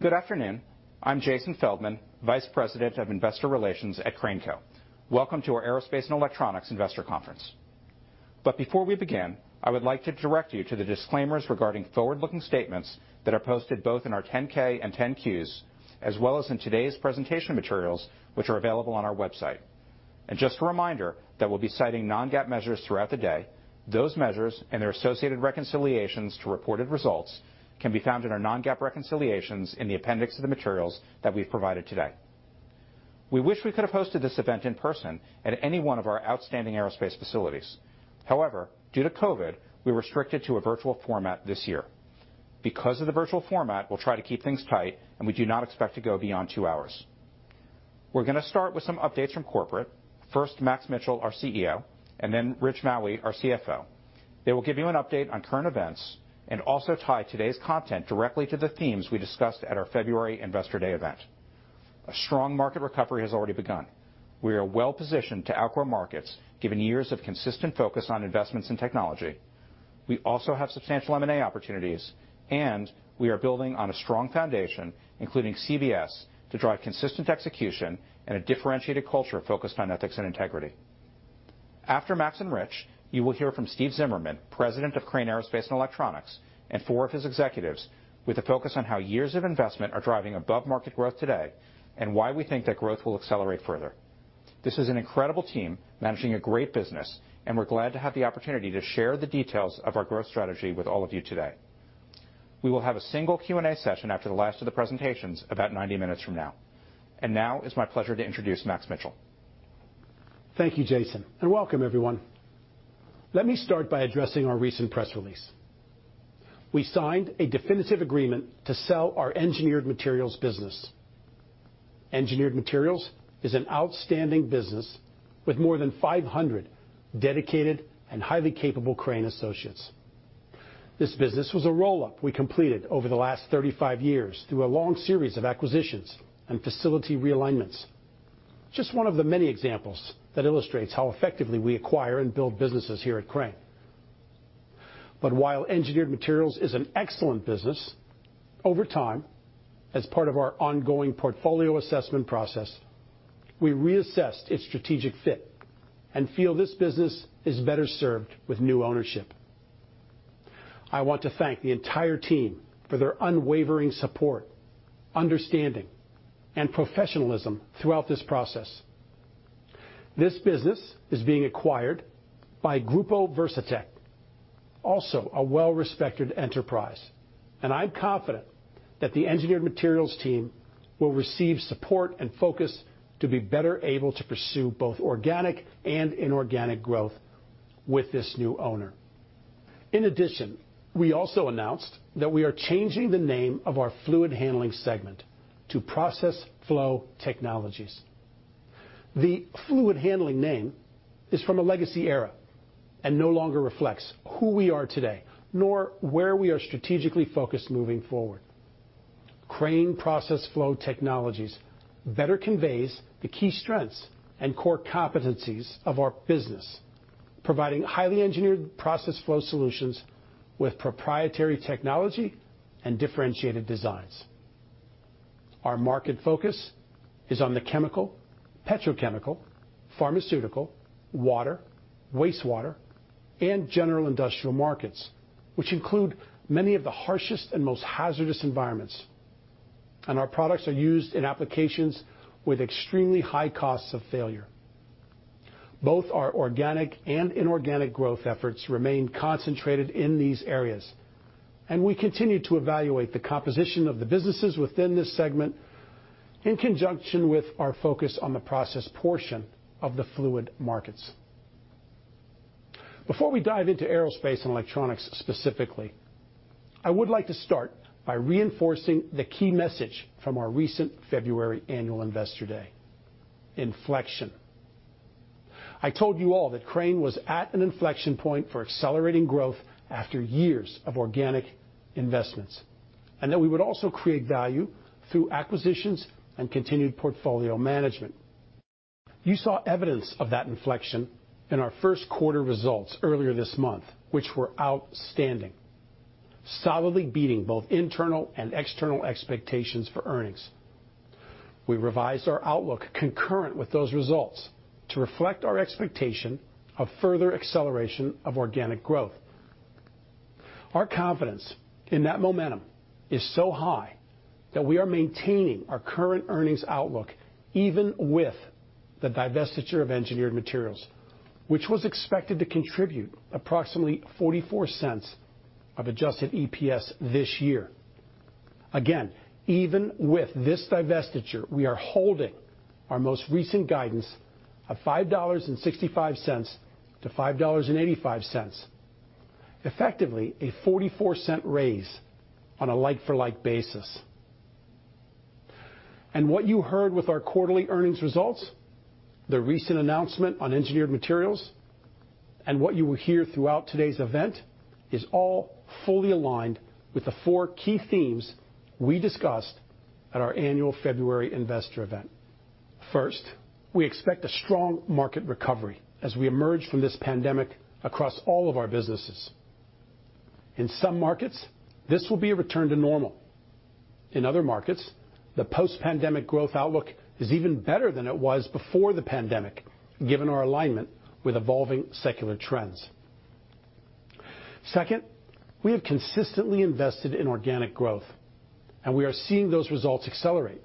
Good afternoon. I'm Jason D. Feldman, Vice President of Investor Relations at Crane Co. Welcome to our Aerospace & Electronics Investor Conference. Before we begin, I would like to direct you to the disclaimers regarding forward-looking statements that are posted both in our 10-K and 10-Qs, as well as in today's presentation materials, which are available on our website. Just a reminder that we'll be citing non-GAAP measures throughout the day. Those measures and their associated reconciliations to reported results can be found in our non-GAAP reconciliations in the appendix of the materials that we've provided today. We wish we could have hosted this event in person at any one of our outstanding aerospace facilities. However, due to COVID, we're restricted to a virtual format this year. Because of the virtual format, we'll try to keep things tight, and we do not expect to go beyond two hours. We're going to start with some updates from corporate, first Max Mitchell, our CEO, and then Rich Maue, our CFO. They will give you an update on current events and also tie today's content directly to the themes we discussed at our February Investor Day event. A strong market recovery has already begun. We are well-positioned to outgrow markets, given years of consistent focus on investments in technology. We also have substantial M&A opportunities, and we are building on a strong foundation, including CBS, to drive consistent execution and a differentiated culture focused on ethics and integrity. After Max and Rich, you will hear from Steve Zimmerman, President of Crane Aerospace & Electronics, and four of his executives with a focus on how years of investment are driving above-market growth today and why we think that growth will accelerate further. This is an incredible team managing a great business, and we're glad to have the opportunity to share the details of our growth strategy with all of you today. We will have a single Q&A session after the last of the presentations about 90 minutes from now. Now it's my pleasure to introduce Max Mitchell. Thank you, Jason, and welcome, everyone. Let me start by addressing our recent press release. We signed a definitive agreement to sell our Engineered Materials business. Engineered Materials is an outstanding business with more than 500 dedicated and highly capable Crane associates. This business was a roll-up we completed over the last 35 years through a long series of acquisitions and facility realignments. Just one of the many examples that illustrates how effectively we acquire and build businesses here at Crane. While Engineered Materials is an excellent business, over time, as part of our ongoing portfolio assessment process, we reassessed its strategic fit and feel this business is better served with new ownership. I want to thank the entire team for their unwavering support, understanding, and professionalism throughout this process. This business is being acquired by Grupo Verzatec, also a well-respected enterprise, and I'm confident that the Engineered Materials team will receive support and focus to be better able to pursue both organic and inorganic growth with this new owner. We also announced that we are changing the name of our Fluid Handling segment to Process Flow Technologies. The Fluid Handling name is from a legacy era and no longer reflects who we are today, nor where we are strategically focused moving forward. Crane Process Flow Technologies better conveys the key strengths and core competencies of our business, providing highly engineered process flow solutions with proprietary technology and differentiated designs. Our market focus is on the chemical, petrochemical, pharmaceutical, water, wastewater, and general industrial markets, which include many of the harshest and most hazardous environments, and our products are used in applications with extremely high costs of failure. Both our organic and inorganic growth efforts remain concentrated in these areas, and we continue to evaluate the composition of the businesses within this segment in conjunction with our focus on the process portion of the fluid markets. Before we dive into Aerospace & Electronics specifically, I would like to start by reinforcing the key message from our recent February Annual Investor Day: inflection. I told you all that Crane was at an inflection point for accelerating growth after years of organic investments, and that we would also create value through acquisitions and continued portfolio management. You saw evidence of that inflection in our first quarter results earlier this month, which were outstanding, solidly beating both internal and external expectations for earnings. We revised our outlook concurrent with those results to reflect our expectation of further acceleration of organic growth. Our confidence in that momentum is so high that we are maintaining our current earnings outlook, even with the divestiture of Engineered Materials, which was expected to contribute approximately $0.44 of adjusted EPS this year. Again, even with this divestiture, we are holding our most recent guidance of $5.65-$5.85, effectively a $0.44 raise on a like-for-like basis. What you heard with our quarterly earnings results, the recent announcement on Engineered Materials, and what you will hear throughout today's event, is all fully aligned with the four key themes we discussed at our annual February investor event. First, we expect a strong market recovery as we emerge from this pandemic across all of our businesses. In some markets, this will be a return to normal. In other markets, the post-pandemic growth outlook is even better than it was before the pandemic, given our alignment with evolving secular trends. Second, we have consistently invested in organic growth, and we are seeing those results accelerate.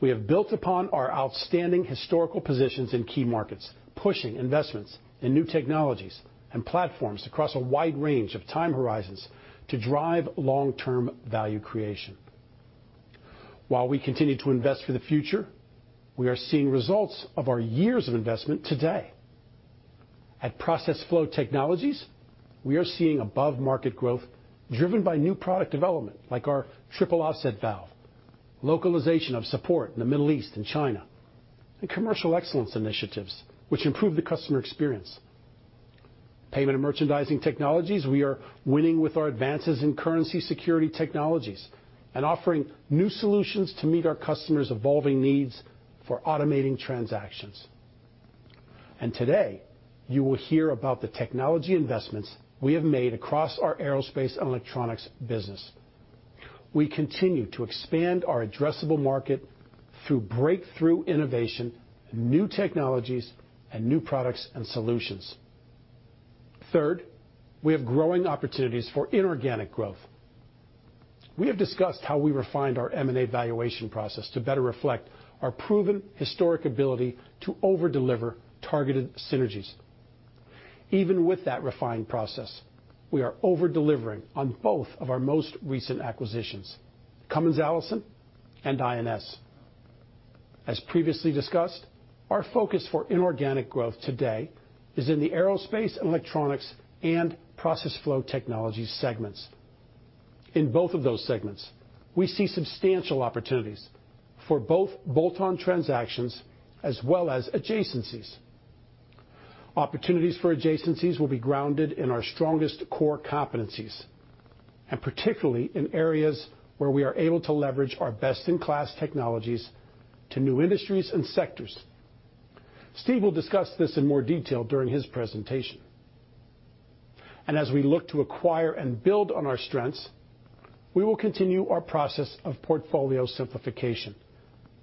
We have built upon our outstanding historical positions in key markets, pushing investments in new technologies and platforms across a wide range of time horizons to drive long-term value creation. While we continue to invest for the future, we are seeing results of our years of investment today. At Process Flow Technologies, we are seeing above-market growth driven by new product development, like our triple offset valve, localization of support in the Middle East and China, and commercial excellence initiatives which improve the customer experience. Payment & Merchandising Technologies, we are winning with our advances in currency security technologies and offering new solutions to meet our customers' evolving needs for automating transactions. Today, you will hear about the technology investments we have made across our Aerospace & Electronics business. We continue to expand our addressable market through breakthrough innovation, new technologies, and new products and solutions. Third, we have growing opportunities for inorganic growth. We have discussed how we refined our M&A valuation process to better reflect our proven historic ability to over-deliver targeted synergies. Even with that refined process, we are over-delivering on both of our most recent acquisitions, Cummins Allison and I&S. As previously discussed, our focus for inorganic growth today is in the Aerospace & Electronics and Process Flow Technologies segments. In both of those segments, we see substantial opportunities for both bolt-on transactions as well as adjacencies. Opportunities for adjacencies will be grounded in our strongest core competencies, and particularly in areas where we are able to leverage our best-in-class technologies to new industries and sectors. Steve will discuss this in more detail during his presentation. As we look to acquire and build on our strengths, we will continue our process of portfolio simplification,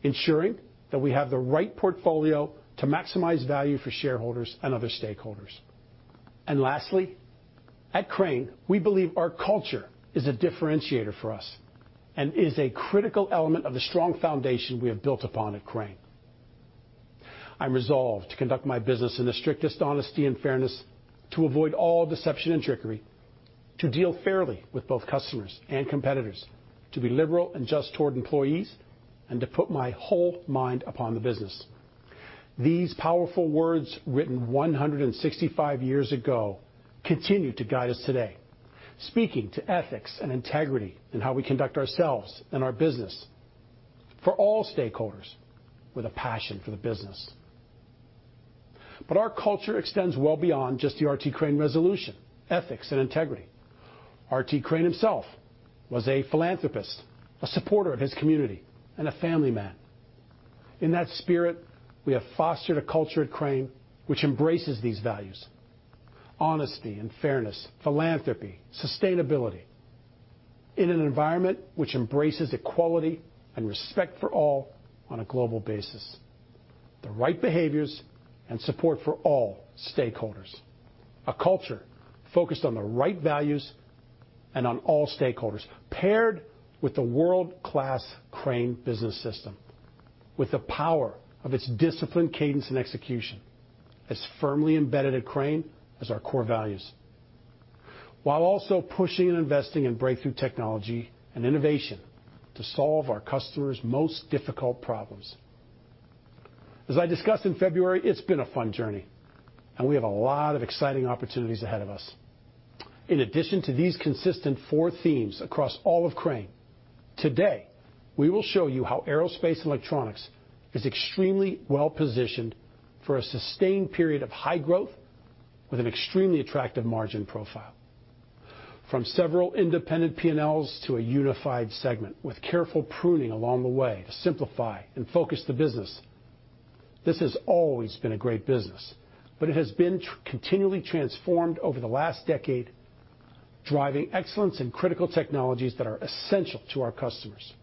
ensuring that we have the right portfolio to maximize value for shareholders and other stakeholders. Lastly, at Crane, we believe our culture is a differentiator for us and is a critical element of the strong foundation we have built upon at Crane. "I resolve to conduct my business in the strictest honesty and fairness, to avoid all deception and trickery, to deal fairly with both customers and competitors, to be liberal and just toward employees, and to put my whole mind upon the business." These powerful words, written 165 years ago, continue to guide us today, speaking to ethics and integrity in how we conduct ourselves and our business for all stakeholders with a passion for the business. Our culture extends well beyond just the R.T. Crane resolution, ethics, and integrity. R.T. Crane himself was a philanthropist, a supporter of his community, and a family man. In that spirit, we have fostered a culture at Crane which embraces these values: honesty and fairness, philanthropy, sustainability, in an environment which embraces equality and respect for all on a global basis, the right behaviors and support for all stakeholders. A culture focused on the right values and on all stakeholders, paired with a world-class Crane Business System with the power of its disciplined cadence and execution as firmly embedded at Crane as our core values while also pushing and investing in breakthrough technology and innovation to solve our customers' most difficult problems. As I discussed in February, it's been a fun journey, and we have a lot of exciting opportunities ahead of us. In addition to these consistent four themes across all of Crane, today, we will show you how Aerospace & Electronics is extremely well-positioned for a sustained period of high growth with an extremely attractive margin profile. From several independent P&Ls to a unified segment with careful pruning along the way to simplify and focus the business. This has always been a great business, but it has been continually transformed over the last decade, driving excellence in critical technologies that are essential to our customers.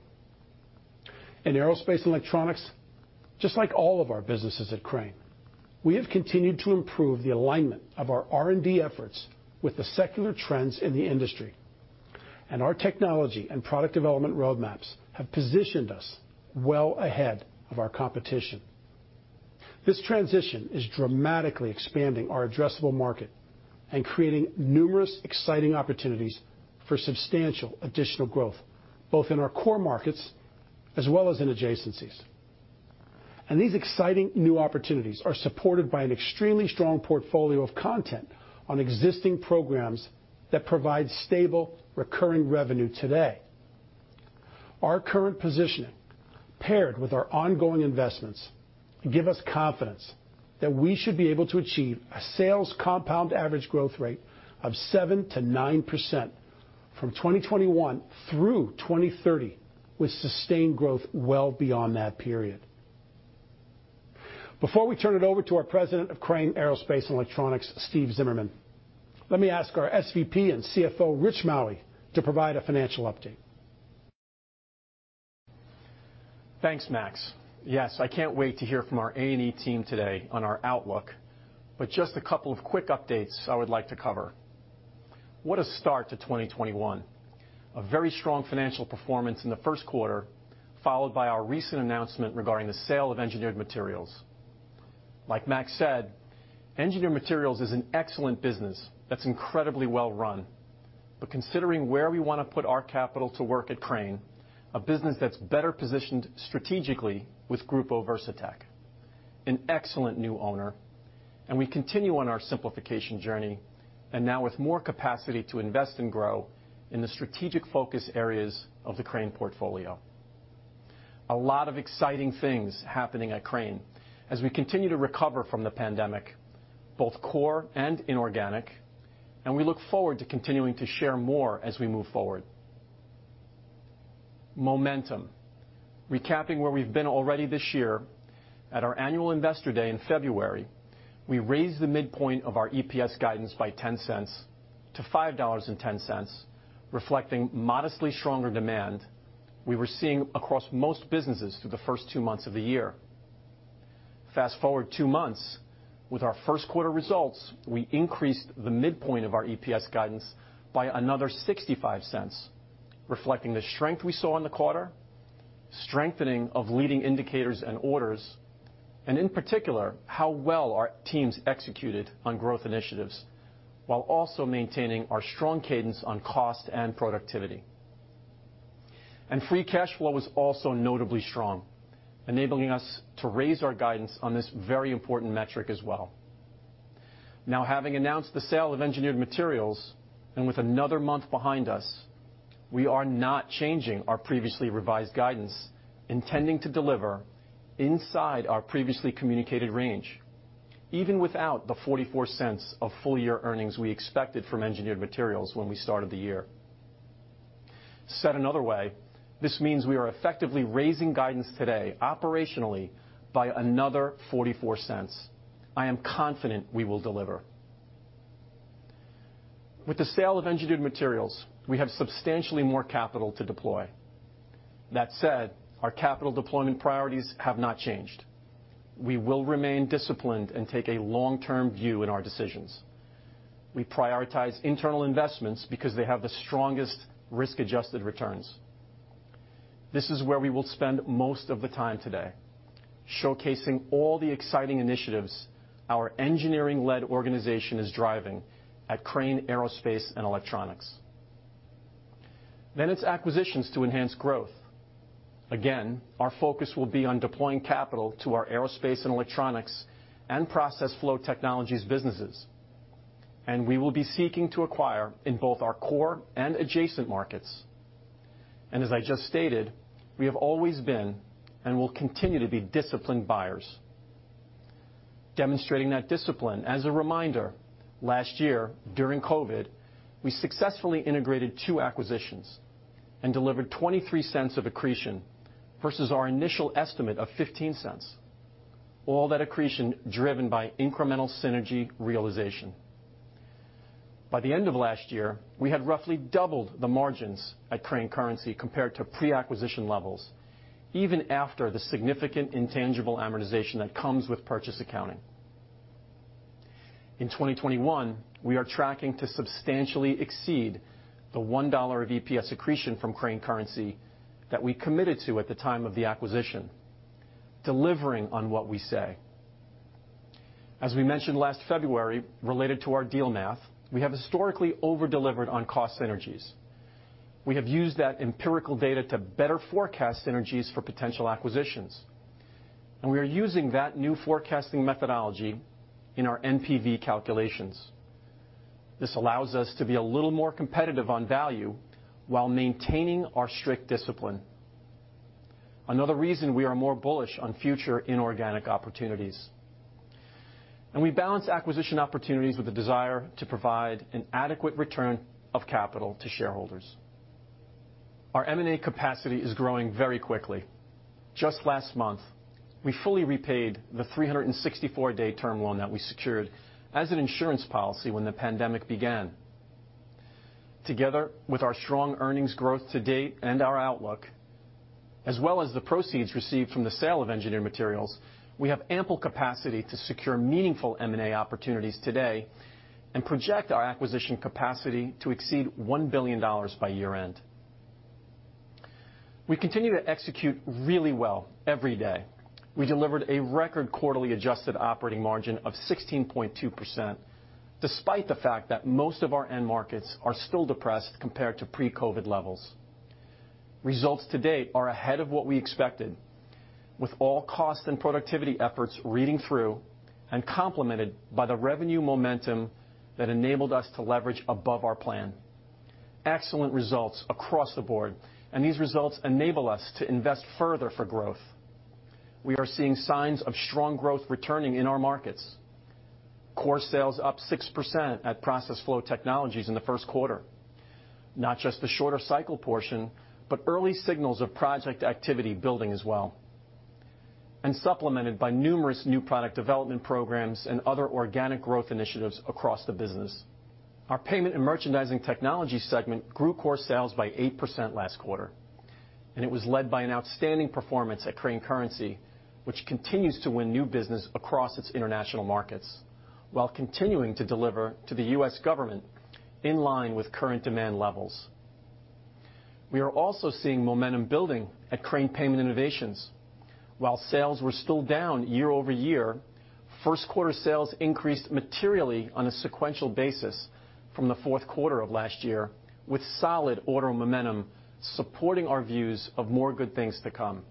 In Aerospace & Electronics, just like all of our businesses at Crane, we have continued to improve the alignment of our R&D efforts with the secular trends in the industry, and our technology and product development roadmaps have positioned us well ahead of our competition. This transition is dramatically expanding our addressable market and creating numerous exciting opportunities for substantial additional growth, both in our core markets as well as in adjacencies. These exciting new opportunities are supported by an extremely strong portfolio of content on existing programs that provide stable recurring revenue today. Our current positioning paired with our ongoing investments give us confidence that we should be able to achieve a sales compound average growth rate of 7%-9%. From 2021 through 2030, with sustained growth well beyond that period. Before we turn it over to our President of Crane Aerospace & Electronics, Steve Zimmerman, let me ask our SVP and CFO, Rich Maue, to provide a financial update. Thanks, Max. Yes, I can't wait to hear from our A&E team today on our outlook, just a couple of quick updates I would like to cover. What a start to 2021. A very strong financial performance in the first quarter, followed by our recent announcement regarding the sale of Engineered Materials. Like Max said, Engineered Materials is an excellent business that's incredibly well-run. Considering where we want to put our capital to work at Crane, a business that's better positioned strategically with Grupo Verzatec, an excellent new owner, and we continue on our simplification journey, and now with more capacity to invest and grow in the strategic focus areas of the Crane portfolio. A lot of exciting things happening at Crane as we continue to recover from the pandemic, both core and inorganic, and we look forward to continuing to share more as we move forward. Momentum. Recapping where we've been already this year, at our annual Investor Day in February, we raised the midpoint of our EPS guidance by $0.10 to $5.10, reflecting modestly stronger demand we were seeing across most businesses through the first two months of the year. Fast-forward two months, with our first quarter results, we increased the midpoint of our EPS guidance by another $0.65, reflecting the strength we saw in the quarter, strengthening of leading indicators and orders, in particular, how well our teams executed on growth initiatives, while also maintaining our strong cadence on cost and productivity. Free cash flow was also notably strong, enabling us to raise our guidance on this very important metric as well. Now, having announced the sale of Engineered Materials, and with another month behind us, we are not changing our previously revised guidance, intending to deliver inside our previously communicated range, even without the $0.44 of full-year earnings we expected from Engineered Materials when we started the year. Said another way, this means we are effectively raising guidance today operationally by another $0.44. I am confident we will deliver. With the sale of Engineered Materials, we have substantially more capital to deploy. That said, our capital deployment priorities have not changed. We will remain disciplined and take a long-term view in our decisions. We prioritize internal investments because they have the strongest risk-adjusted returns. This is where we will spend most of the time today, showcasing all the exciting initiatives our engineering-led organization is driving at Crane Aerospace & Electronics. It's acquisitions to enhance growth. Again, our focus will be on deploying capital to our Aerospace & Electronics and Process Flow Technologies businesses, and we will be seeking to acquire in both our core and adjacent markets. As I just stated, we have always been and will continue to be disciplined buyers. Demonstrating that discipline, as a reminder, last year during COVID, we successfully integrated two acquisitions and delivered $0.23 of accretion versus our initial estimate of $0.15. All that accretion driven by incremental synergy realization. By the end of last year, we had roughly doubled the margins at Crane Currency compared to pre-acquisition levels, even after the significant intangible amortization that comes with purchase accounting. In 2021, we are tracking to substantially exceed the $1 of EPS accretion from Crane Currency that we committed to at the time of the acquisition, delivering on what we say. As we mentioned last February, related to our deal math, we have historically over-delivered on cost synergies. We have used that empirical data to better forecast synergies for potential acquisitions, and we are using that new forecasting methodology in our NPV calculations. This allows us to be a little more competitive on value while maintaining our strict discipline. Another reason we are more bullish on future inorganic opportunities. We balance acquisition opportunities with a desire to provide an adequate return of capital to shareholders. Our M&A capacity is growing very quickly. Just last month, we fully repaid the 364-day term loan that we secured as an insurance policy when the pandemic began. Together with our strong earnings growth to date and our outlook, as well as the proceeds received from the sale of Engineered Materials, we have ample capacity to secure meaningful M&A opportunities today and project our acquisition capacity to exceed $1 billion by year-end. We continue to execute really well every day. We delivered a record quarterly adjusted operating margin of 16.2%, despite the fact that most of our end markets are still depressed compared to pre-COVID levels. Results to date are ahead of what we expected, with all cost and productivity efforts reading through and complemented by the revenue momentum that enabled us to leverage above our plan. Excellent results across the board. These results enable us to invest further for growth. We are seeing signs of strong growth returning in our markets. Core sales up 6% at Process Flow Technologies in the first quarter. Not just the shorter cycle portion, but early signals of project activity building as well, supplemented by numerous new product development programs and other organic growth initiatives across the business. Our Payment and Merchandising Technology segment grew core sales by 8% last quarter. It was led by an outstanding performance at Crane Currency, which continues to win new business across its international markets while continuing to deliver to the U.S. government in line with current demand levels. We are also seeing momentum building at Crane Payment Innovations. While sales were still down year-over-year, first quarter sales increased materially on a sequential basis from the fourth quarter of last year, with solid order momentum supporting our views of more good things to come.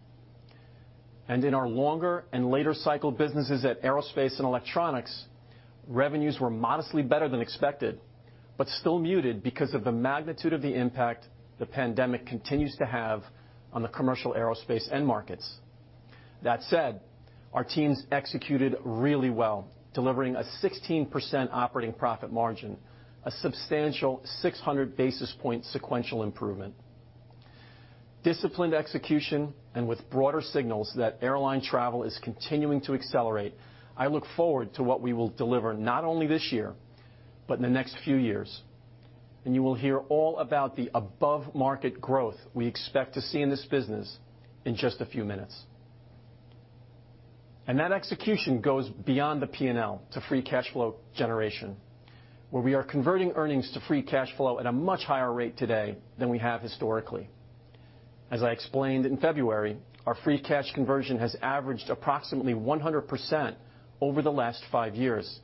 In our longer and later cycle businesses at Aerospace & Electronics, revenues were modestly better than expected, but still muted because of the magnitude of the impact the pandemic continues to have on the commercial aerospace end markets. That said, our teams executed really well, delivering a 16% operating profit margin, a substantial 600 basis points sequential improvement. Disciplined execution and with broader signals that airline travel is continuing to accelerate, I look forward to what we will deliver not only this year, but in the next few years, and you will hear all about the above-market growth we expect to see in this business in just a few minutes. That execution goes beyond the P&L to free cash flow generation, where we are converting earnings to free cash flow at a much higher rate today than we have historically. As I explained in February, our free cash conversion has averaged approximately 100% over the last five years,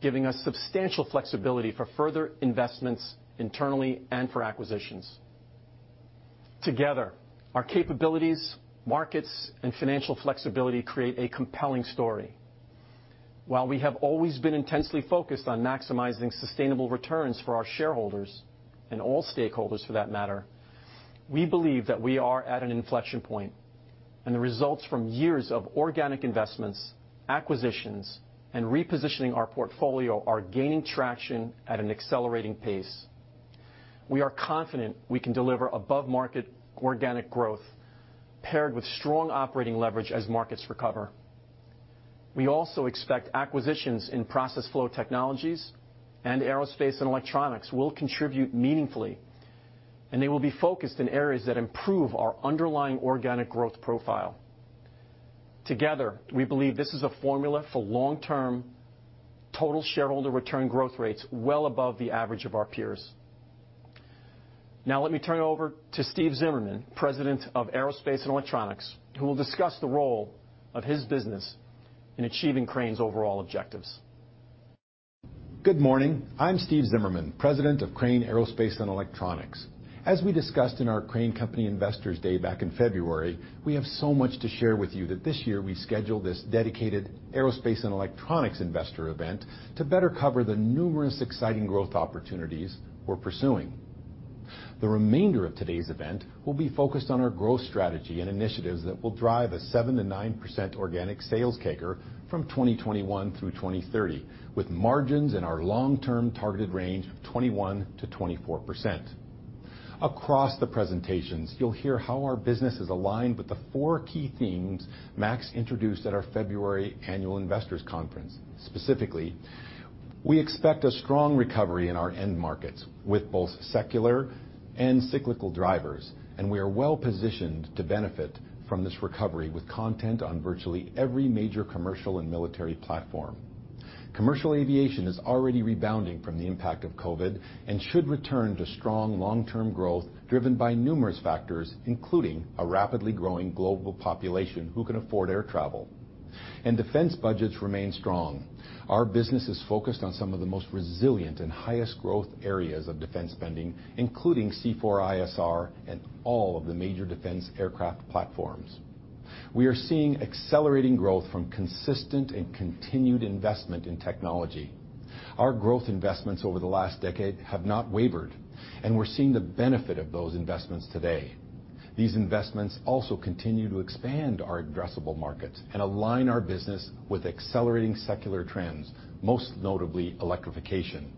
giving us substantial flexibility for further investments internally and for acquisitions. Together, our capabilities, markets, and financial flexibility create a compelling story. While we have always been intensely focused on maximizing sustainable returns for our shareholders, and all stakeholders for that matter, we believe that we are at an inflection point, the results from years of organic investments, acquisitions, and repositioning our portfolio are gaining traction at an accelerating pace. We are confident we can deliver above-market organic growth paired with strong operating leverage as markets recover. We also expect acquisitions in Process Flow Technologies and Aerospace & Electronics will contribute meaningfully, they will be focused in areas that improve our underlying organic growth profile. Together, we believe this is a formula for long-term total shareholder return growth rates well above the average of our peers. Let me turn it over to Steve Zimmerman, President of Crane Aerospace & Electronics, who will discuss the role of his business in achieving Crane's overall objectives. Good morning. I'm Steve Zimmerman, President of Crane Aerospace & Electronics. As we discussed in our Crane Company Investors Day back in February, we have so much to share with you that this year we scheduled this dedicated Aerospace & Electronics Investor event to better cover the numerous exciting growth opportunities we're pursuing. The remainder of today's event will be focused on our growth strategy and initiatives that will drive a 7%-9% organic sales CAGR from 2021 through 2030, with margins in our long-term targeted range of 21%-24%. Across the presentations, you'll hear how our business is aligned with the four key themes Max introduced at our February Annual Investors Conference. Specifically, we expect a strong recovery in our end markets with both secular and cyclical drivers, and we are well-positioned to benefit from this recovery with content on virtually every major commercial and military platform. Commercial aviation is already rebounding from the impact of COVID and should return to strong long-term growth driven by numerous factors, including a rapidly growing global population who can afford air travel. Defense budgets remain strong. Our business is focused on some of the most resilient and highest growth areas of defense spending, including C4ISR and all of the major defense aircraft platforms. We are seeing accelerating growth from consistent and continued investment in technology. Our growth investments over the last decade have not wavered, and we're seeing the benefit of those investments today. These investments also continue to expand our addressable markets and align our business with accelerating secular trends, most notably electrification,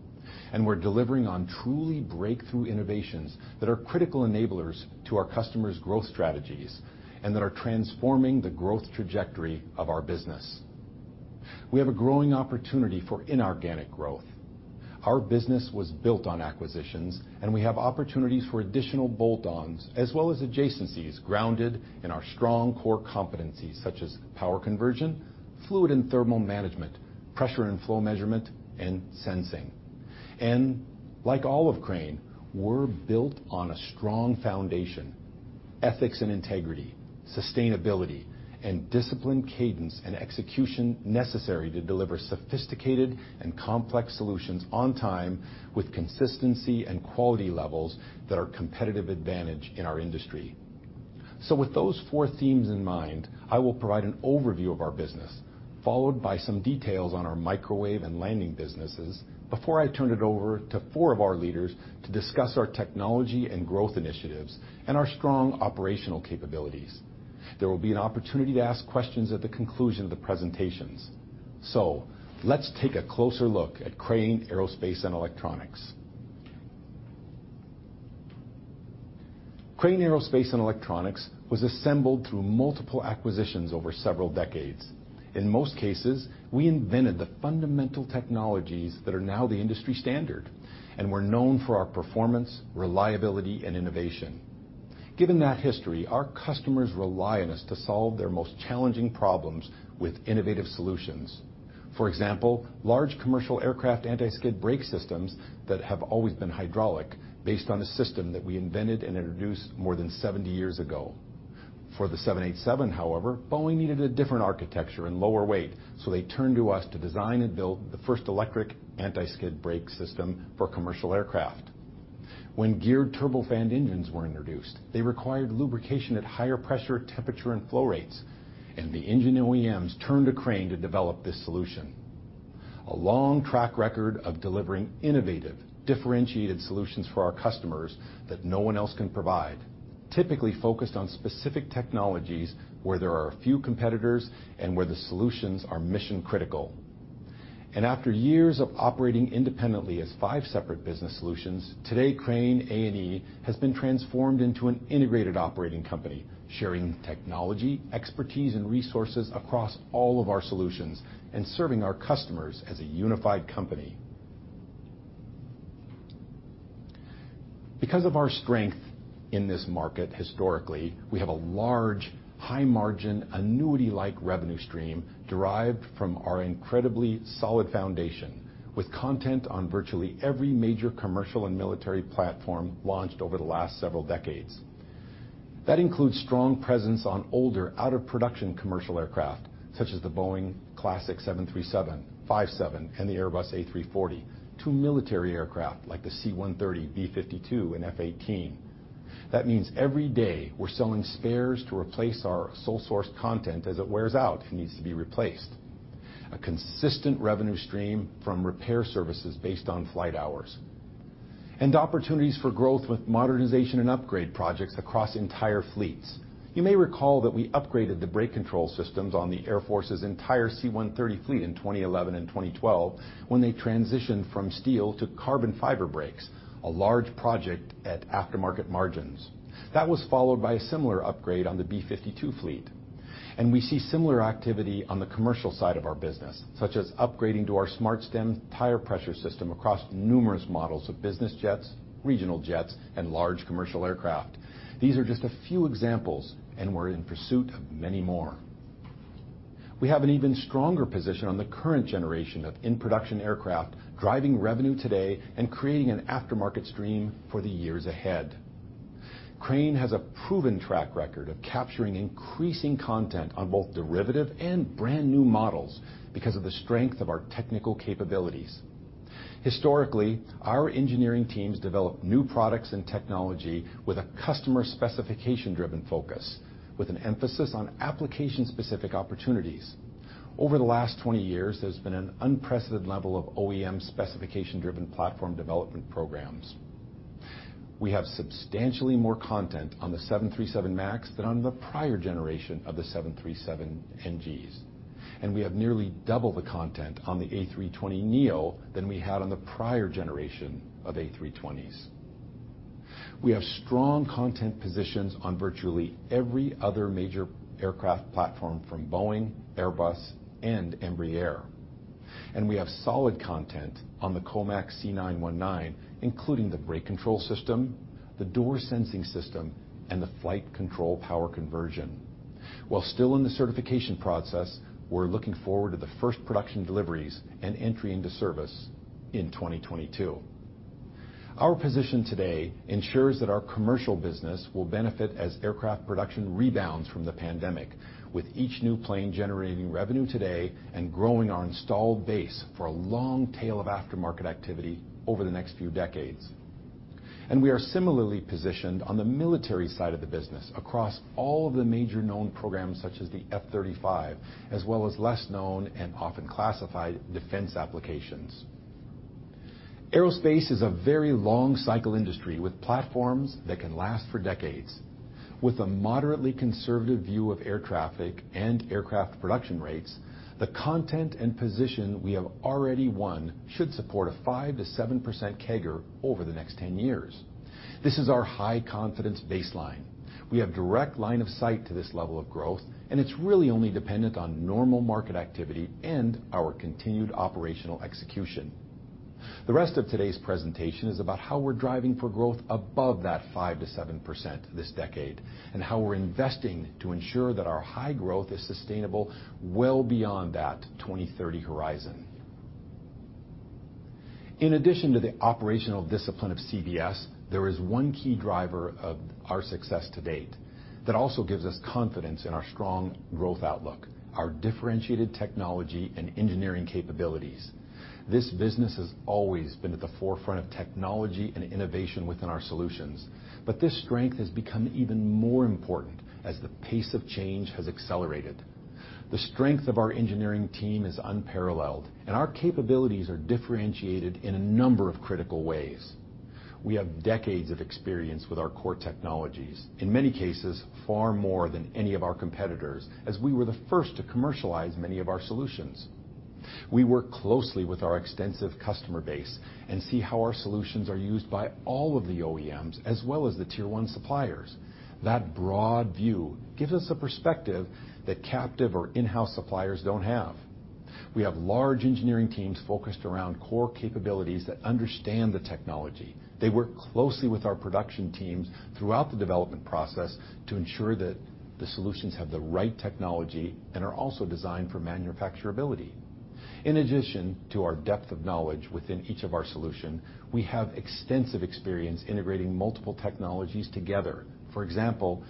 and we're delivering on truly breakthrough innovations that are critical enablers to our customers' growth strategies and that are transforming the growth trajectory of our business. We have a growing opportunity for inorganic growth. Our business was built on acquisitions. We have opportunities for additional bolt-ons as well as adjacencies grounded in our strong core competencies such as power conversion, fluid and thermal management, pressure and flow measurement, and sensing. Like all of Crane, we're built on a strong foundation: ethics and integrity, sustainability, and disciplined cadence and execution necessary to deliver sophisticated and complex solutions on time with consistency and quality levels that are competitive advantage in our industry. With those four themes in mind, I will provide an overview of our business, followed by some details on our microwave and lighting businesses before I turn it over to four of our leaders to discuss our technology and growth initiatives and our strong operational capabilities. There will be an opportunity to ask questions at the conclusion of the presentations. Let's take a closer look at Crane Aerospace & Electronics. Crane Aerospace & Electronics was assembled through multiple acquisitions over several decades. In most cases, we invented the fundamental technologies that are now the industry standard, and we're known for our performance, reliability, and innovation. Given that history, our customers rely on us to solve their most challenging problems with innovative solutions. For example, large commercial aircraft anti-skid brake systems that have always been hydraulic, based on a system that we invented and introduced more than 70 years ago. For the 787, however, Boeing needed a different architecture and lower weight, so they turned to us to design and build the first electric anti-skid brake system for commercial aircraft. When geared turbofan engines were introduced, they required lubrication at higher pressure, temperature, and flow rates, and the engine OEMs turned to Crane to develop this solution. A long track record of delivering innovative, differentiated solutions for our customers that no one else can provide, typically focused on specific technologies where there are few competitors and where the solutions are mission-critical. After years of operating independently as five separate business solutions, today Crane A&E has been transformed into an integrated operating company, sharing technology, expertise, and resources across all of our solutions and serving our customers as a unified company. Because of our strength in this market historically, we have a large, high-margin, annuity-like revenue stream derived from our incredibly solid foundation, with content on virtually every major commercial and military platform launched over the last several decades. That includes strong presence on older, out-of-production commercial aircraft, such as the Boeing classic 737, 757, and the Airbus A340. To military aircraft, like the C-130, B-52, and F/A-18. That means every day we're selling spares to replace our sole-source content as it wears out and needs to be replaced. A consistent revenue stream from repair services based on flight hours. Opportunities for growth with modernization and upgrade projects across entire fleets. You may recall that we upgraded the brake control systems on the Air Force's entire C-130 fleet in 2011 and 2012 when they transitioned from steel to carbon fiber brakes, a large project at aftermarket margins. That was followed by a similar upgrade on the B-52 fleet. We see similar activity on the commercial side of our business, such as upgrading to our SmartStem tire pressure system across numerous models of business jets, regional jets, and large commercial aircraft. These are just a few examples, and we're in pursuit of many more. We have an even stronger position on the current generation of in-production aircraft, driving revenue today and creating an aftermarket stream for the years ahead. Crane has a proven track record of capturing increasing content on both derivative and brand-new models because of the strength of our technical capabilities. Historically, our engineering teams develop new products and technology with a customer specification-driven focus, with an emphasis on application-specific opportunities. Over the last 20 years, there's been an unprecedented level of OEM specification-driven platform development programs. We have substantially more content on the 737 MAX than on the prior generation of the 737NGs. We have nearly double the content on the A320neo than we had on the prior generation of A320s. We have strong content positions on virtually every other major aircraft platform from Boeing, Airbus, and Embraer. We have solid content on the Comac C919, including the brake control system, the door sensing system, and the flight control power conversion. While still in the certification process, we're looking forward to the first production deliveries and entry into service in 2022. Our position today ensures that our commercial business will benefit as aircraft production rebounds from the pandemic, with each new plane generating revenue today and growing our installed base for a long tail of aftermarket activity over the next few decades. We are similarly positioned on the military side of the business across all of the major known programs such as the F-35, as well as less-known and often classified defense applications. Aerospace is a very long cycle industry with platforms that can last for decades. With a moderately conservative view of air traffic and aircraft production rates, the content and position we have already won should support a 5%-7% CAGR over the next 10 years. This is our high-confidence baseline. We have direct line of sight to this level of growth, and it's really only dependent on normal market activity and our continued operational execution. The rest of today's presentation is about how we're driving for growth above that 5%-7% this decade, and how we're investing to ensure that our high growth is sustainable well beyond that 2030 horizon. In addition to the operational discipline of CBS, there is one key driver of our success to date that also gives us confidence in our strong growth outlook: Our differentiated technology and engineering capabilities. This business has always been at the forefront of technology and innovation within our solutions, but this strength has become even more important as the pace of change has accelerated. The strength of our engineering team is unparalleled, and our capabilities are differentiated in a number of critical ways. We have decades of experience with our core technologies, in many cases far more than any of our competitors, as we were the first to commercialize many of our solutions. We work closely with our extensive customer base and see how our solutions are used by all of the OEMs as well as the Tier 1 suppliers. That broad view gives us a perspective that captive or in-house suppliers don't have. We have large engineering teams focused around core capabilities that understand the technology. They work closely with our production teams throughout the development process to ensure that the solutions have the right technology and are also designed for manufacturability. In addition to our depth of knowledge within each of our solution, we have extensive experience integrating multiple technologies together. For example,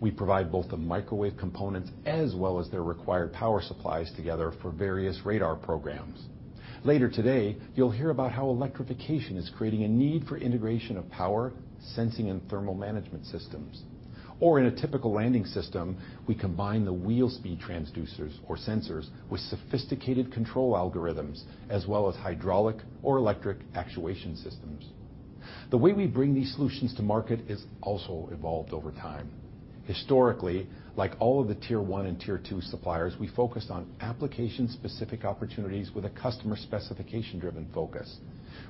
we provide both the microwave components as well as their required power supplies together for various radar programs. Later today, you'll hear about how electrification is creating a need for integration of power, sensing, and Thermal Management Systems. In a typical landing system, we combine the wheel speed transducers or sensors with sophisticated control algorithms, as well as hydraulic or electric actuation systems. The way we bring these solutions to market has also evolved over time. Historically, like all of the Tier 1 and Tier 2 suppliers, we focused on application-specific opportunities with a customer specification-driven focus.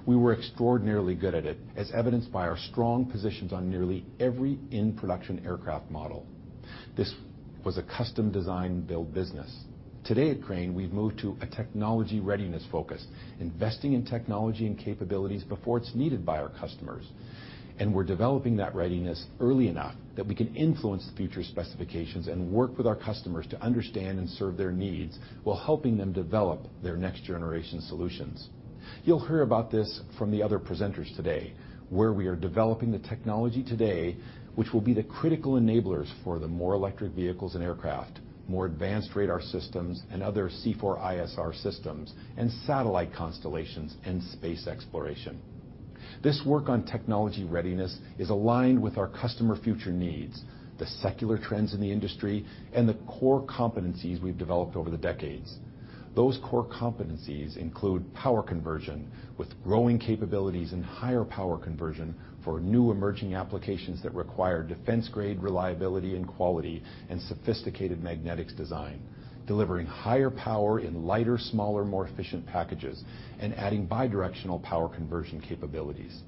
We were extraordinarily good at it, as evidenced by our strong positions on nearly every in-production aircraft model. This was a custom design build business. Today at Crane, we've moved to a technology readiness focus, investing in technology and capabilities before it's needed by our customers. We're developing that readiness early enough that we can influence future specifications and work with our customers to understand and serve their needs while helping them develop their next-generation solutions. You'll hear about this from the other presenters today, where we are developing the technology today, which will be the critical enablers for the more electric vehicles and aircraft, more advanced radar systems, and other C4ISR systems, and satellite constellations in space exploration. This work on technology readiness is aligned with our customer future needs, the secular trends in the industry, and the core competencies we've developed over the decades. Those core competencies include power conversion, with growing capabilities and higher power conversion for new emerging applications that require defense-grade reliability and quality and sophisticated magnetics design, delivering higher power in lighter, smaller, more efficient packages, and adding bidirectional power conversion capabilities.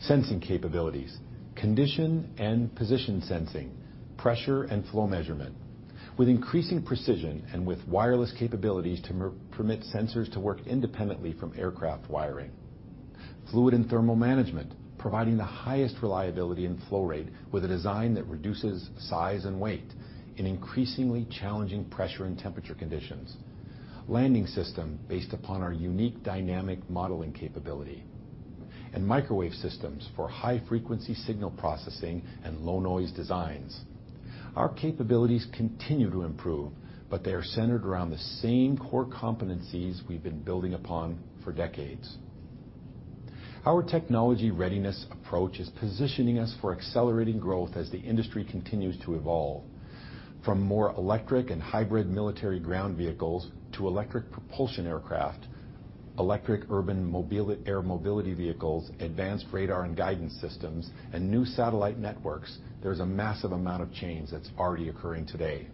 Sensing capabilities, condition and position sensing, pressure and flow measurement with increasing precision and with wireless capabilities to permit sensors to work independently from aircraft wiring. Fluid and thermal management, providing the highest reliability and flow rate with a design that reduces size and weight in increasingly challenging pressure and temperature conditions. Landing system based upon our unique dynamic modeling capability. Microwave systems for high-frequency signal processing and low-noise designs. Our capabilities continue to improve, but they are centered around the same core competencies we've been building upon for decades. Our technology readiness approach is positioning us for accelerating growth as the industry continues to evolve. From more electric and hybrid military ground vehicles to electric propulsion aircraft, electric urban air mobility vehicles, advanced radar and guidance systems, and new satellite networks, there is a massive amount of change that is already occurring today.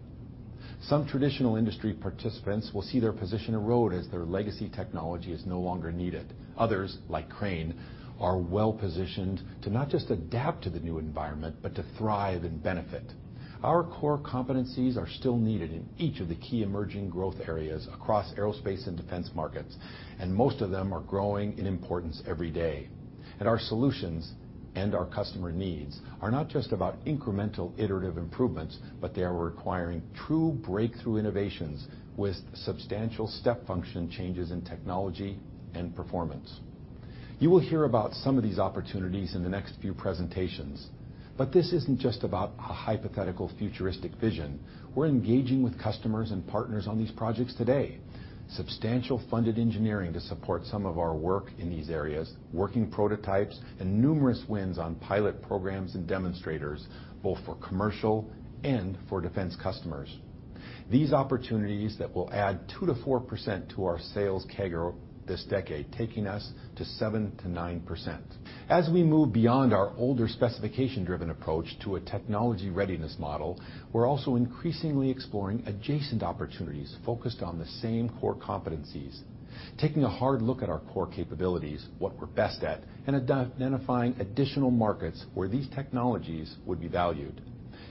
Some traditional industry participants will see their position erode as their legacy technology is no longer needed. Others, like Crane, are well-positioned to not just adapt to the new environment, but to thrive and benefit. Our core competencies are still needed in each of the key emerging growth areas across aerospace and defense markets. Most of them are growing in importance every day. Our solutions and our customer needs are not just about incremental iterative improvements, but they are requiring true breakthrough innovations with substantial step function changes in technology and performance. You will hear about some of these opportunities in the next few presentations. This isn't just about a hypothetical futuristic vision. We're engaging with customers and partners on these projects today. Substantial funded engineering to support some of our work in these areas, working prototypes, and numerous wins on pilot programs and demonstrators, both for commercial and for defense customers. These opportunities that will add 2%-4% to our sales CAGR this decade, taking us to 7%-9%. We move beyond our older specification-driven approach to a technology readiness model, we're also increasingly exploring adjacent opportunities focused on the same core competencies, taking a hard look at our core capabilities, what we're best at, and identifying additional markets where these technologies would be valued.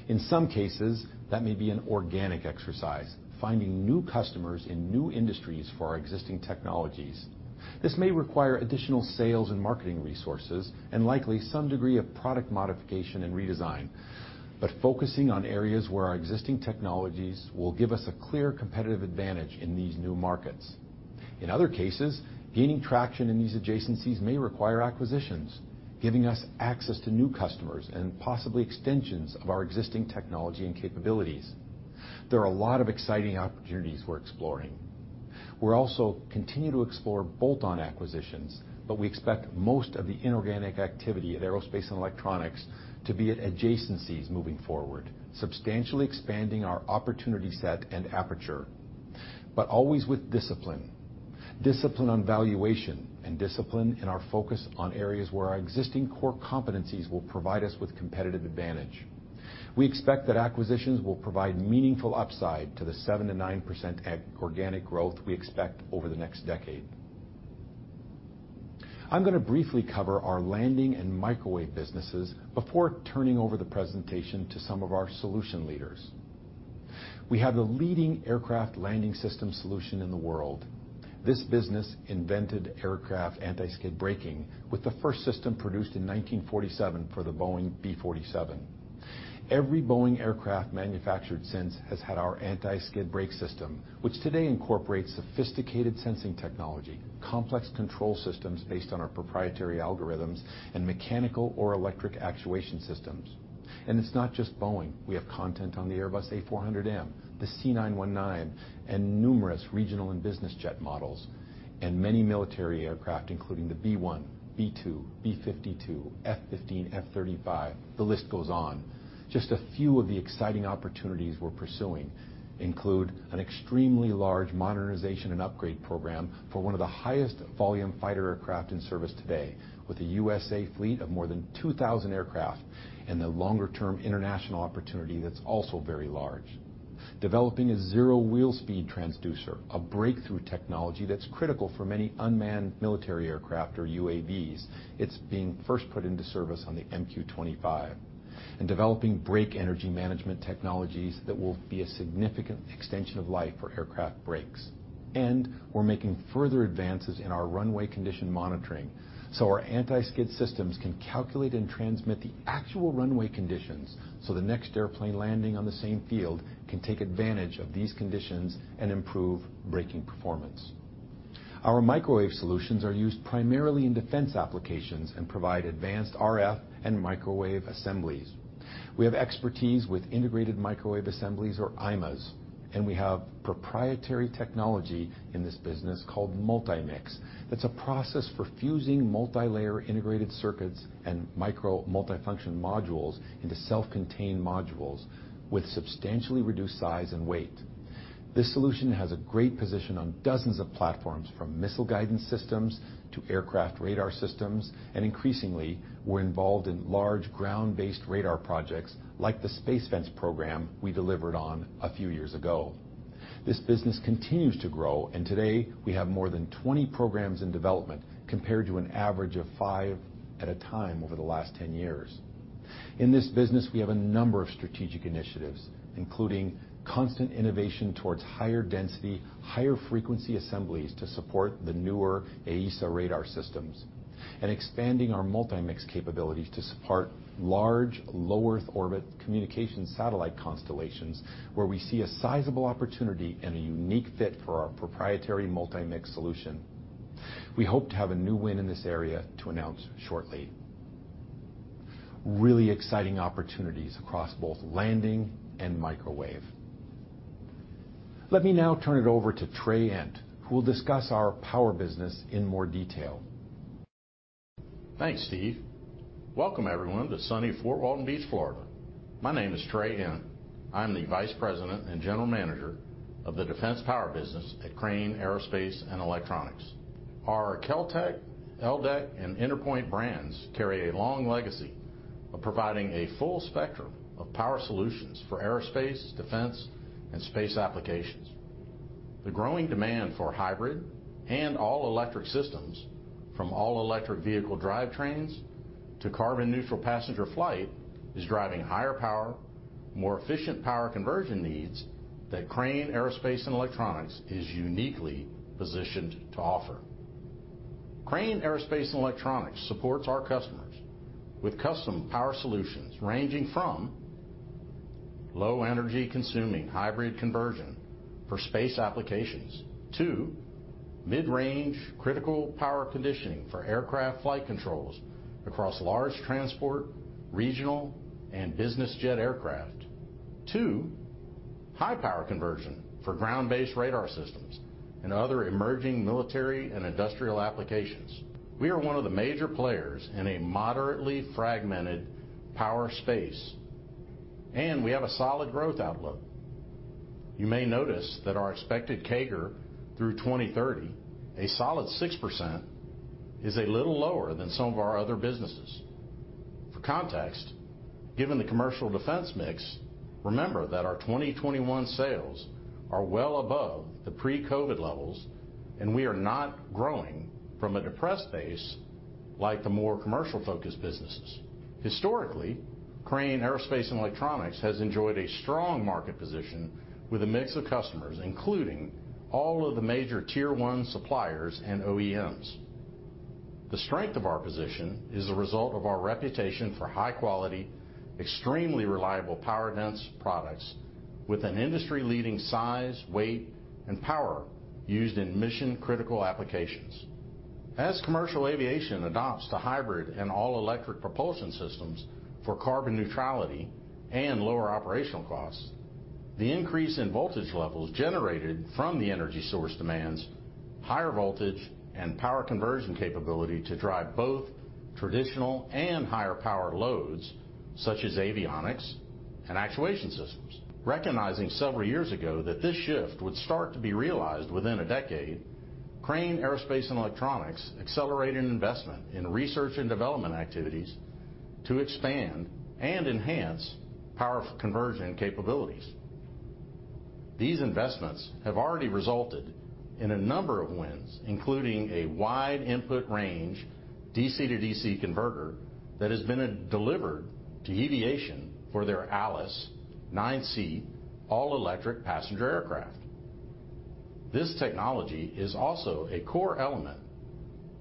In some cases, that may be an organic exercise, finding new customers in new industries for our existing technologies. This may require additional sales and marketing resources, and likely some degree of product modification and redesign, but focusing on areas where our existing technologies will give us a clear competitive advantage in these new markets. In other cases, gaining traction in these adjacencies may require acquisitions, giving us access to new customers and possibly extensions of our existing technology and capabilities. There are a lot of exciting opportunities we're exploring. We also continue to explore bolt-on acquisitions. We expect most of the inorganic activity at Aerospace & Electronics to be at adjacencies moving forward, substantially expanding our opportunity set and aperture, but always with discipline. Discipline on valuation and discipline in our focus on areas where our existing core competencies will provide us with competitive advantage. We expect that acquisitions will provide meaningful upside to the 7%-9% organic growth we expect over the next decade. I'm going to briefly cover our landing and microwave businesses before turning over the presentation to some of our solution leaders. We have a leading aircraft landing system solution in the world. This business invented aircraft anti-skid braking, with the first system produced in 1947 for the Boeing B-47. Every Boeing aircraft manufactured since has had our anti-skid brake system, which today incorporates sophisticated sensing technology, complex control systems based on our proprietary algorithms, and mechanical or electric actuation systems. It's not just Boeing. We have content on the Airbus A400M, the C919, and numerous regional and business jet models, and many military aircraft, including the B-1, B-2, B-52, F-15, F-35. The list goes on. Just a few of the exciting opportunities we're pursuing include an extremely large modernization and upgrade program for one of the highest volume fighter aircraft in service today with a USA fleet of more than 2,000 aircraft and a longer-term international opportunity that's also very large. Developing a zero wheel speed transducer, a breakthrough technology that's critical for many unmanned military aircraft or UAVs. It's being first put into service on the MQ-25. Developing brake energy management technologies that will be a significant extension of life for aircraft brakes. We're making further advances in our runway condition monitoring, so our anti-skid systems can calculate and transmit the actual runway conditions, so the next airplane landing on the same field can take advantage of these conditions and improve braking performance. Our Microwave Solutions are used primarily in defense applications and provide advanced RF and microwave assemblies. We have expertise with Integrated Microwave Assemblies or IMAs, and we have proprietary technology in this business called Multi-Mix. That's a process for fusing multilayer integrated circuits and micro multifunction modules into self-contained modules with substantially reduced size and weight. This solution has a great position on dozens of platforms, from missile guidance systems to aircraft radar systems, and increasingly, we're involved in large ground-based radar projects like the Space Fence program we delivered on a few years ago. This business continues to grow, and today, we have more than 20 programs in development compared to an average of five at a time over the last 10 years. In this business, we have a number of strategic initiatives, including constant innovation towards higher density, higher frequency assemblies to support the newer AESA radar systems and expanding our Multi-Mix capabilities to support large low-earth orbit communication satellite constellations where we see a sizable opportunity and a unique fit for our proprietary Multi-Mix solution. We hope to have a new win in this area to announce shortly. Really exciting opportunities across both landing and microwave. Let me now turn it over to Trey Endt, who will discuss our power business in more detail. Thanks, Steve. Welcome, everyone, to sunny Fort Walton Beach, Florida. My name is Trey Endt. I'm the Vice President and General Manager of the Defense Power Business at Crane Aerospace & Electronics. Our Keltec, ELDEC, and Interpoint brands carry a long legacy of providing a full spectrum of power solutions for aerospace, defense, and space applications. The growing demand for hybrid and all-electric systems, from all-electric vehicle drivetrains to carbon-neutral passenger flight, is driving higher power, more efficient power conversion needs that Crane Aerospace & Electronics is uniquely positioned to offer. Crane Aerospace & Electronics supports our customers with custom power solutions ranging from low energy-consuming hybrid conversion for space applications to mid-range critical power conditioning for aircraft flight controls across large transport, regional, and business jet aircraft to high power conversion for ground-based radar systems and other emerging military and industrial applications. We are one of the major players in a moderately fragmented power space, and we have a solid growth outlook. You may notice that our expected CAGR through 2030, a solid 6%, is a little lower than some of our other businesses. For context, given the commercial defense mix, remember that our 2021 sales are well above the pre-COVID levels, and we are not growing from a depressed base like the more commercial-focused businesses. Historically, Crane Aerospace & Electronics has enjoyed a strong market position with a mix of customers, including all of the major Tier 1 suppliers and OEMs. The strength of our position is a result of our reputation for high quality, extremely reliable power-dense products with an industry-leading size, weight, and power used in mission-critical applications. As commercial aviation adopts the hybrid and all-electric propulsion systems for carbon neutrality and lower operational costs, the increase in voltage levels generated from the energy source demands higher voltage and power conversion capability to drive both traditional and higher power loads such as avionics and actuation systems. Recognizing several years ago that this shift would start to be realized within a decade, Crane Aerospace & Electronics accelerated investment in research and development activities to expand and enhance power conversion capabilities. These investments have already resulted in a number of wins, including a wide input range DC-to-DC converter that has been delivered to Eviation for their Alice 9-seat all-electric passenger aircraft. This technology is also a core element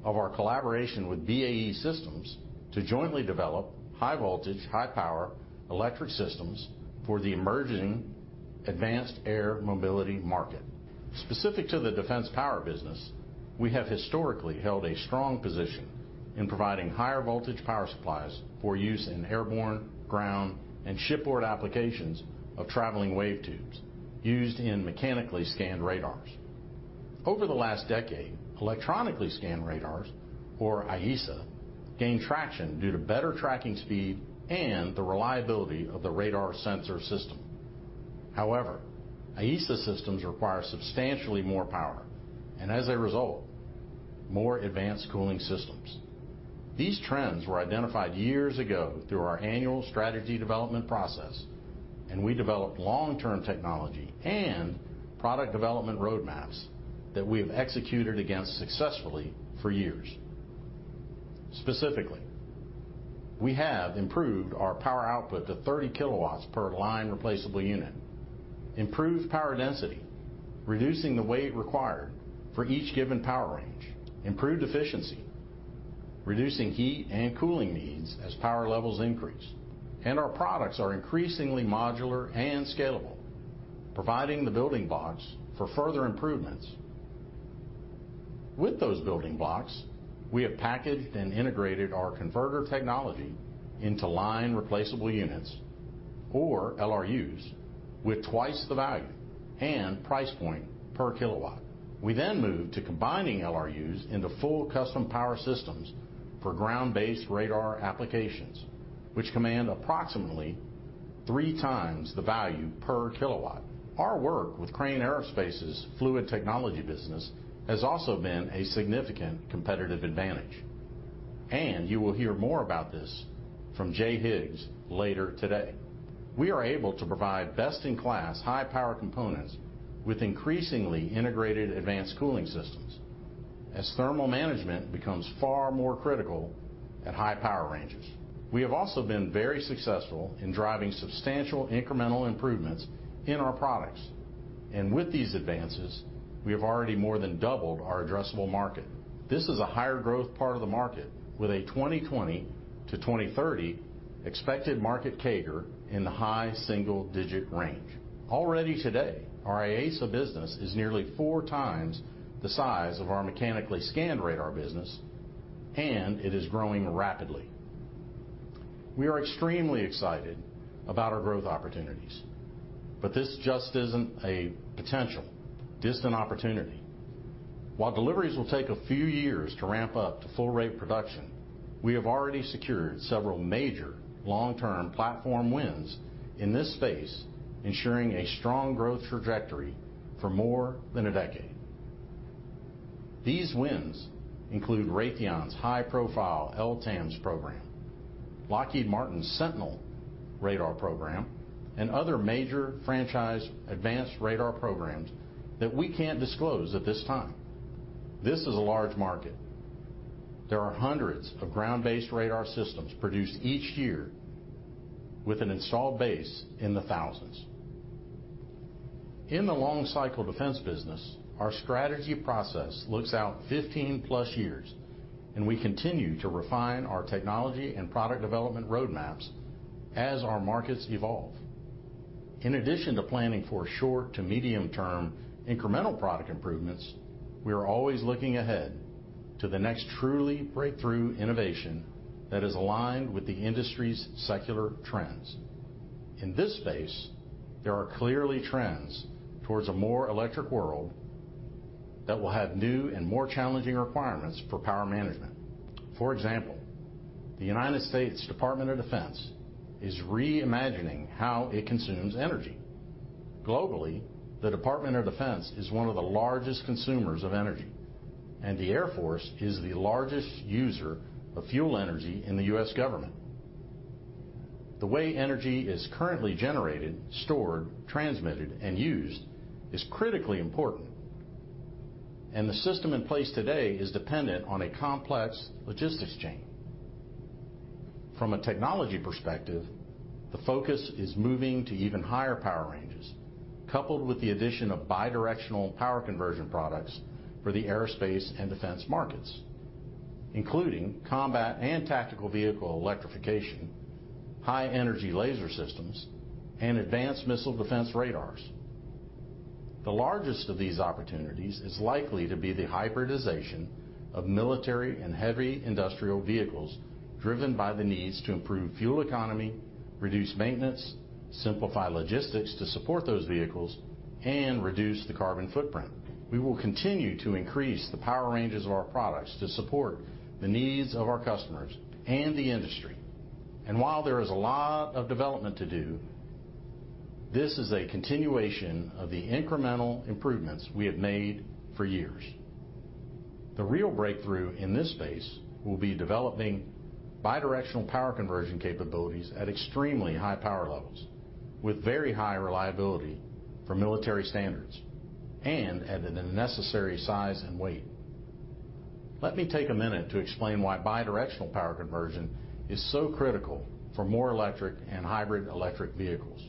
of our collaboration with BAE Systems to jointly develop high voltage, high power electric systems for the emerging advanced air mobility market. Specific to the defense power business, we have historically held a strong position in providing higher voltage power supplies for use in airborne, ground, and shipboard applications of traveling wave tubes used in mechanically scanned radars. Over the last decade, electronically scanned radars, or AESA, gained traction due to better tracking speed and the reliability of the radar sensor system. However, AESA systems require substantially more power and as a result, more advanced cooling systems. These trends were identified years ago through our annual strategy development process, and we developed long-term technology and product development roadmaps that we have executed against successfully for years. Specifically, we have improved our power output to 30 kW per line replaceable unit, improved power density, reducing the weight required for each given power range, improved efficiency, reducing heat and cooling needs as power levels increase, and our products are increasingly modular and scalable, providing the building blocks for further improvements. With those building blocks, we have packaged and integrated our converter technology into Line-Replaceable Units, or LRUs, with 2x the value and price point per kilowatt. We then moved to combining LRUs into full custom power systems for ground-based radar applications, which command approximately 3x the value per kilowatt. Our work with Crane Aerospace's fluid technology business has also been a significant competitive advantage, and you will hear more about this from Jay Higgs later today. We are able to provide best-in-class high power components with increasingly integrated advanced cooling systems, as thermal management becomes far more critical at high power ranges. We have also been very successful in driving substantial incremental improvements in our products. With these advances, we have already more than doubled our addressable market. This is a higher growth part of the market with a 2020 to 2030 expected market CAGR in the high single-digit range. Already today, our AESA business is nearly 4x the size of our mechanically scanned radar business, and it is growing rapidly. We are extremely excited about our growth opportunities, but this just isn't a potential distant opportunity. While deliveries will take a few years to ramp up to full rate production, we have already secured several major long-term platform wins in this space, ensuring a strong growth trajectory for more than a decade. These wins include Raytheon's high-profile LTAMDS program, Lockheed Martin's Sentinel radar program, and other major franchise advanced radar programs that we can't disclose at this time. This is a large market. There are hundreds of ground-based radar systems produced each year with an installed base in the thousands. In the long cycle defense business, our strategy process looks out 15-plus years, and we continue to refine our technology and product development roadmaps as our markets evolve. In addition to planning for short to medium-term incremental product improvements, we are always looking ahead to the next truly breakthrough innovation that is aligned with the industry's secular trends. In this space, there are clearly trends towards a more electric world that will have new and more challenging requirements for power management. For example, the United States Department of Defense is reimagining how it consumes energy. Globally, the Department of Defense is one of the largest consumers of energy, and the Air Force is the largest user of fuel energy in the U.S. government. The way energy is currently generated, stored, transmitted, and used is critically important, and the system in place today is dependent on a complex logistics chain. From a technology perspective, the focus is moving to even higher power ranges, coupled with the addition of bidirectional power conversion products for the aerospace and defense markets, including combat and tactical vehicle electrification, high energy laser systems, and advanced missile defense radars. The largest of these opportunities is likely to be the hybridization of military and heavy industrial vehicles, driven by the needs to improve fuel economy, reduce maintenance, simplify logistics to support those vehicles, and reduce the carbon footprint. We will continue to increase the power ranges of our products to support the needs of our customers and the industry. While there is a lot of development to do. This is a continuation of the incremental improvements we have made for years. The real breakthrough in this space will be developing bidirectional power conversion capabilities at extremely high power levels, with very high reliability for military standards and at a necessary size and weight. Let me take a minute to explain why bidirectional power conversion is so critical for more electric and hybrid electric vehicles.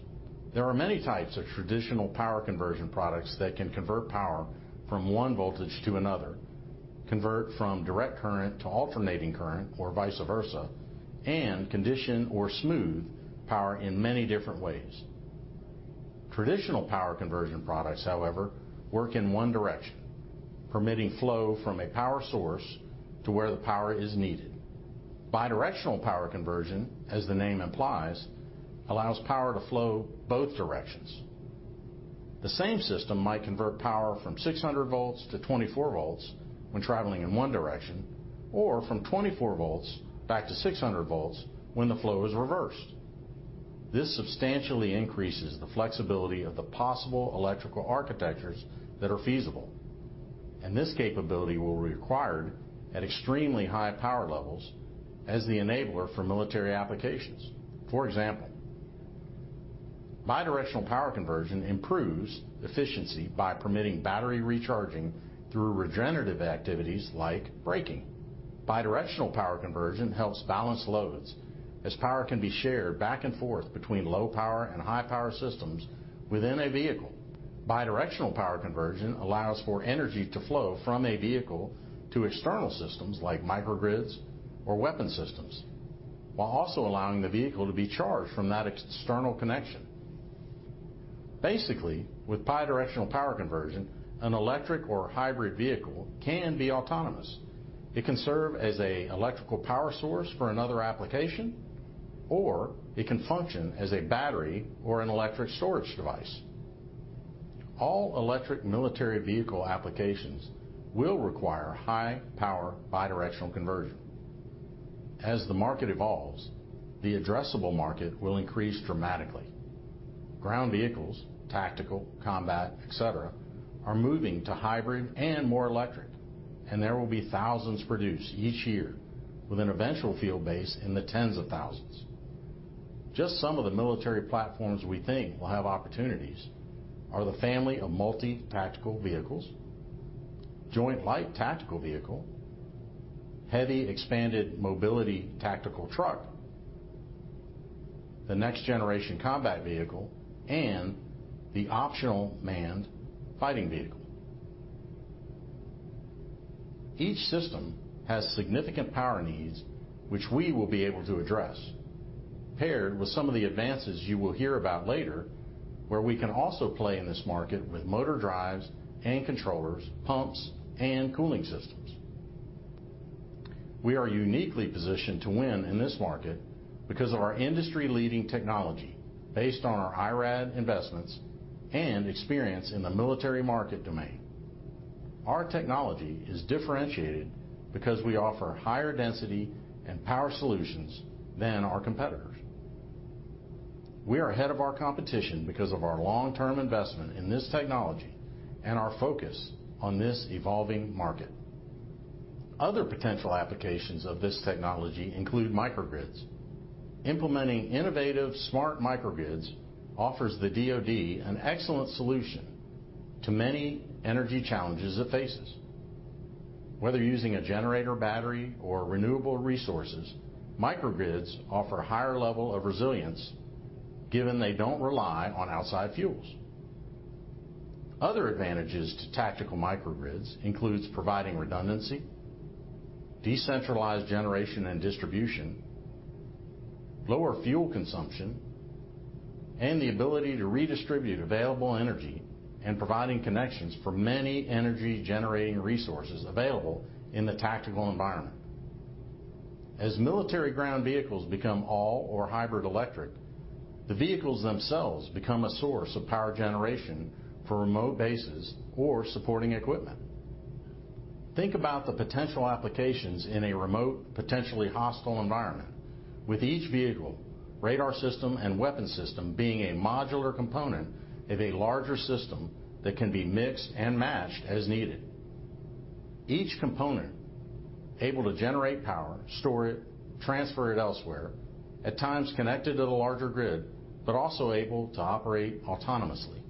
There are many types of traditional power conversion products that can convert power from one voltage to another, convert from direct current to alternating current or vice versa, and condition or smooth power in many different ways. Traditional power conversion products, however, work in one direction, permitting flow from a power source to where the power is needed. Bidirectional power conversion, as the name implies, allows power to flow both directions. The same system might convert power from 600 V to 24 V when traveling in one direction or from 24 V back to 600 V when the flow is reversed. This substantially increases the flexibility of the possible electrical architectures that are feasible, and this capability will be required at extremely high power levels as the enabler for military applications. For example, bidirectional power conversion improves efficiency by permitting battery recharging through regenerative activities like braking. Bidirectional power conversion helps balance loads as power can be shared back and forth between low power and high power systems within a vehicle. Bidirectional power conversion allows for energy to flow from a vehicle to external systems like microgrids or weapon systems, while also allowing the vehicle to be charged from that external connection. Basically, with bidirectional power conversion, an electric or hybrid vehicle can be autonomous. It can serve as an electrical power source for another application, or it can function as a battery or an electric storage device. All electric military vehicle applications will require high-power bidirectional conversion. As the market evolves, the addressable market will increase dramatically. Ground vehicles, tactical, combat, et cetera, are moving to hybrid and more electric, and there will be thousands produced each year with an eventual field base in the tens of thousands. Just some of the military platforms we think will have opportunities are the Family of Medium Tactical Vehicles, Joint Light Tactical Vehicle, Heavy Expanded Mobility Tactical Truck, the Next Generation Combat Vehicle, and the Optionally Manned Fighting Vehicle. Each system has significant power needs, which we will be able to address, paired with some of the advances you will hear about later, where we can also play in this market with motor drives and controllers, pumps, and cooling systems. We are uniquely positioned to win in this market because of our industry-leading technology based on our IRAD investments and experience in the military market domain. Our technology is differentiated because we offer higher density and power solutions than our competitors. We are ahead of our competition because of our long-term investment in this technology and our focus on this evolving market. Other potential applications of this technology include microgrids. Implementing innovative, smart microgrids offers the DoD an excellent solution to many energy challenges it faces. Whether using a generator battery or renewable resources, microgrids offer a higher level of resilience given they don't rely on outside fuels. Other advantages to tactical microgrids includes providing redundancy, decentralized generation and distribution, lower fuel consumption, and the ability to redistribute available energy and providing connections for many energy-generating resources available in the tactical environment. As military ground vehicles become all or hybrid electric, the vehicles themselves become a source of power generation for remote bases or supporting equipment. Think about the potential applications in a remote, potentially hostile environment with each vehicle, radar system, and weapon system being a modular component of a larger system that can be mixed and matched as needed. Each component able to generate power, store it, transfer it elsewhere, at times connected to the larger grid, but also able to operate autonomously.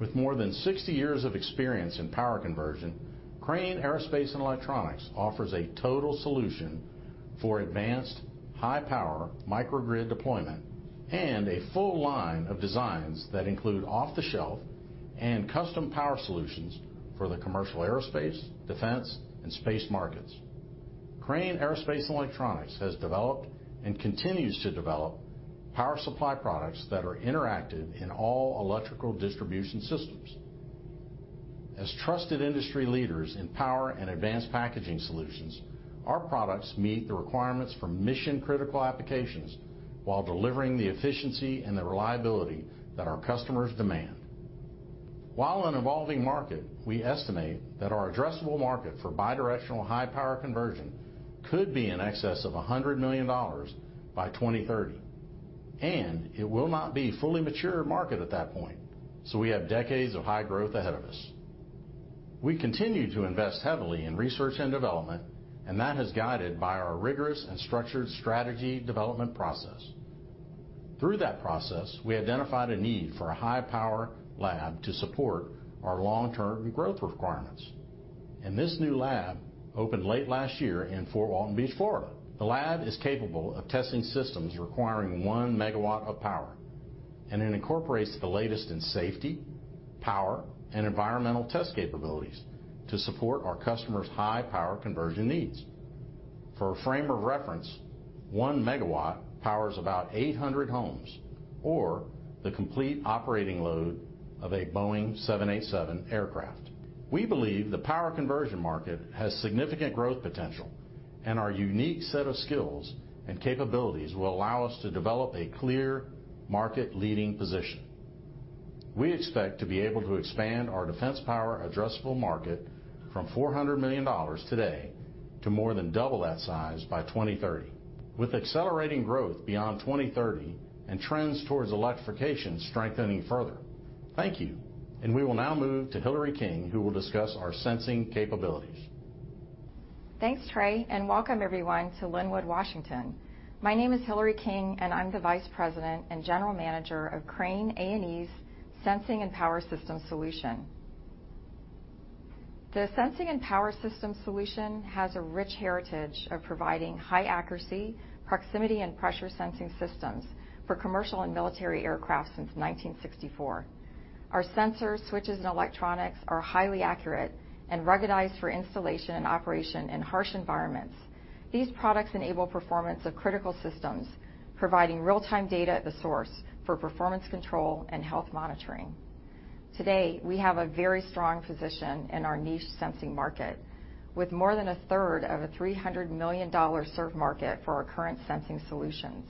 With more than 60 years of experience in power conversion, Crane Aerospace & Electronics offers a total solution for advanced high-power microgrid deployment and a full line of designs that include off-the-shelf and custom power solutions for the commercial aerospace, defense, and space markets. Crane Aerospace & Electronics has developed and continues to develop power supply products that are interactive in all electrical distribution systems. As trusted industry leaders in power and advanced packaging solutions, our products meet the requirements for mission-critical applications while delivering the efficiency and the reliability that our customers demand. While an evolving market, we estimate that our addressable market for bidirectional high-power conversion could be in excess of $100 million by 2030, and it will not be a fully mature market at that point. We have decades of high growth ahead of us. We continue to invest heavily in research and development. That is guided by our rigorous and structured strategy development process. Through that process, we identified a need for a high-power lab to support our long-term growth requirements. This new lab opened late last year in Fort Walton Beach, Florida. The lab is capable of testing systems requiring 1 MW of power, and it incorporates the latest in safety, power, and environmental test capabilities to support our customers' high-power conversion needs. For a frame of reference, 1 MW powers about 800 homes or the complete operating load of a Boeing 787 aircraft. We believe the power conversion market has significant growth potential, and our unique set of skills and capabilities will allow us to develop a clear market-leading position. We expect to be able to expand our defense power addressable market from $400 million today to more than double that size by 2030, with accelerating growth beyond 2030 and trends towards electrification strengthening further. Thank you. We will now move to Hilary King, who will discuss our sensing capabilities. Thanks, Trey, and welcome everyone to Lynnwood, Washington. My name is Hilary King, and I am the Vice President and General Manager of Crane A&E's Sensing and Power Systems Solution. The Sensing and Power Systems Solution has a rich heritage of providing high-accuracy, proximity and pressure sensing systems for commercial and military aircraft since 1964. Our sensors, switches, and electronics are highly accurate and recognized for installation and operation in harsh environments. These products enable performance of critical systems, providing real-time data at the source for performance control and health monitoring. Today, we have a very strong position in our niche sensing market, with more than a third of a $300 million served market for our current sensing solutions.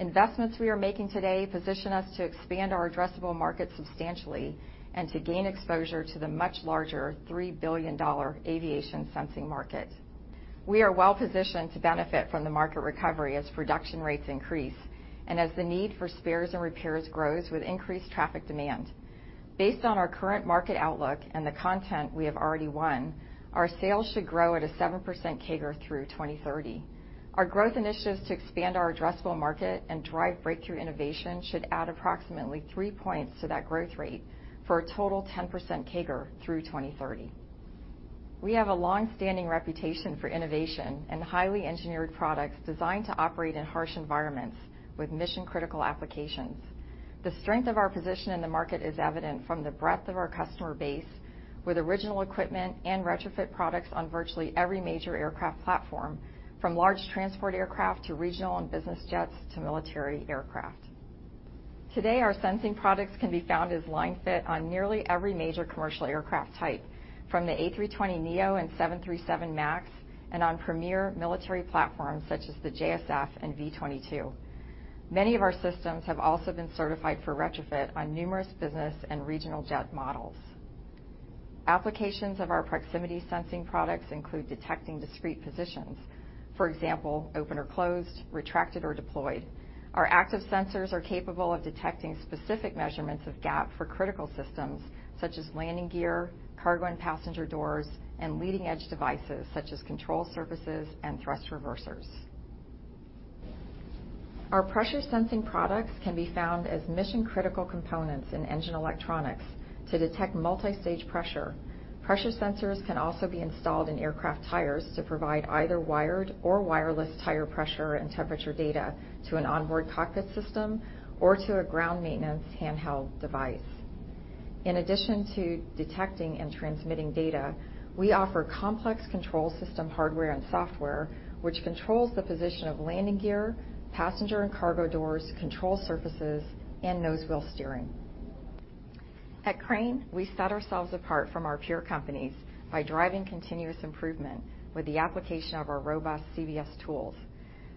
Investments we are making today position us to expand our addressable market substantially and to gain exposure to the much larger $3 billion aviation sensing market. We are well-positioned to benefit from the market recovery as production rates increase and as the need for spares and repairs grows with increased traffic demand. Based on our current market outlook and the content we have already won, our sales should grow at a 7% CAGR through 2030. Our growth initiatives to expand our addressable market and drive breakthrough innovation should add approximately three points to that growth rate for a total 10% CAGR through 2030. We have a long-standing reputation for innovation and highly engineered products designed to operate in harsh environments with mission-critical applications. The strength of our position in the market is evident from the breadth of our customer base with original equipment and retrofit products on virtually every major aircraft platform, from large transport aircraft to regional and business jets to military aircraft. Today, our sensing products can be found as line fit on nearly every major commercial aircraft type, from the A320neo and 737 MAX, and on premier military platforms such as the JSF and V-22. Many of our systems have also been certified for retrofit on numerous business and regional jet models. Applications of our proximity sensing products include detecting discrete positions, for example, open or closed, retracted or deployed. Our active sensors are capable of detecting specific measurements of gap for critical systems such as landing gear, cargo and passenger doors, and leading-edge devices such as control surfaces and thrust reversers. Our pressure sensing products can be found as mission-critical components in engine electronics to detect multi-stage pressure. Pressure sensors can also be installed in aircraft tires to provide either wired or wireless tire pressure and temperature data to an onboard avionics system or to a ground maintenance handheld device. In addition to detecting and transmitting data, we offer complex control system hardware and software, which controls the position of landing gear, passenger and cargo doors, control surfaces, and nose wheel steering. At Crane, we set ourselves apart from our peer companies by driving continuous improvement with the application of our robust CBS tools.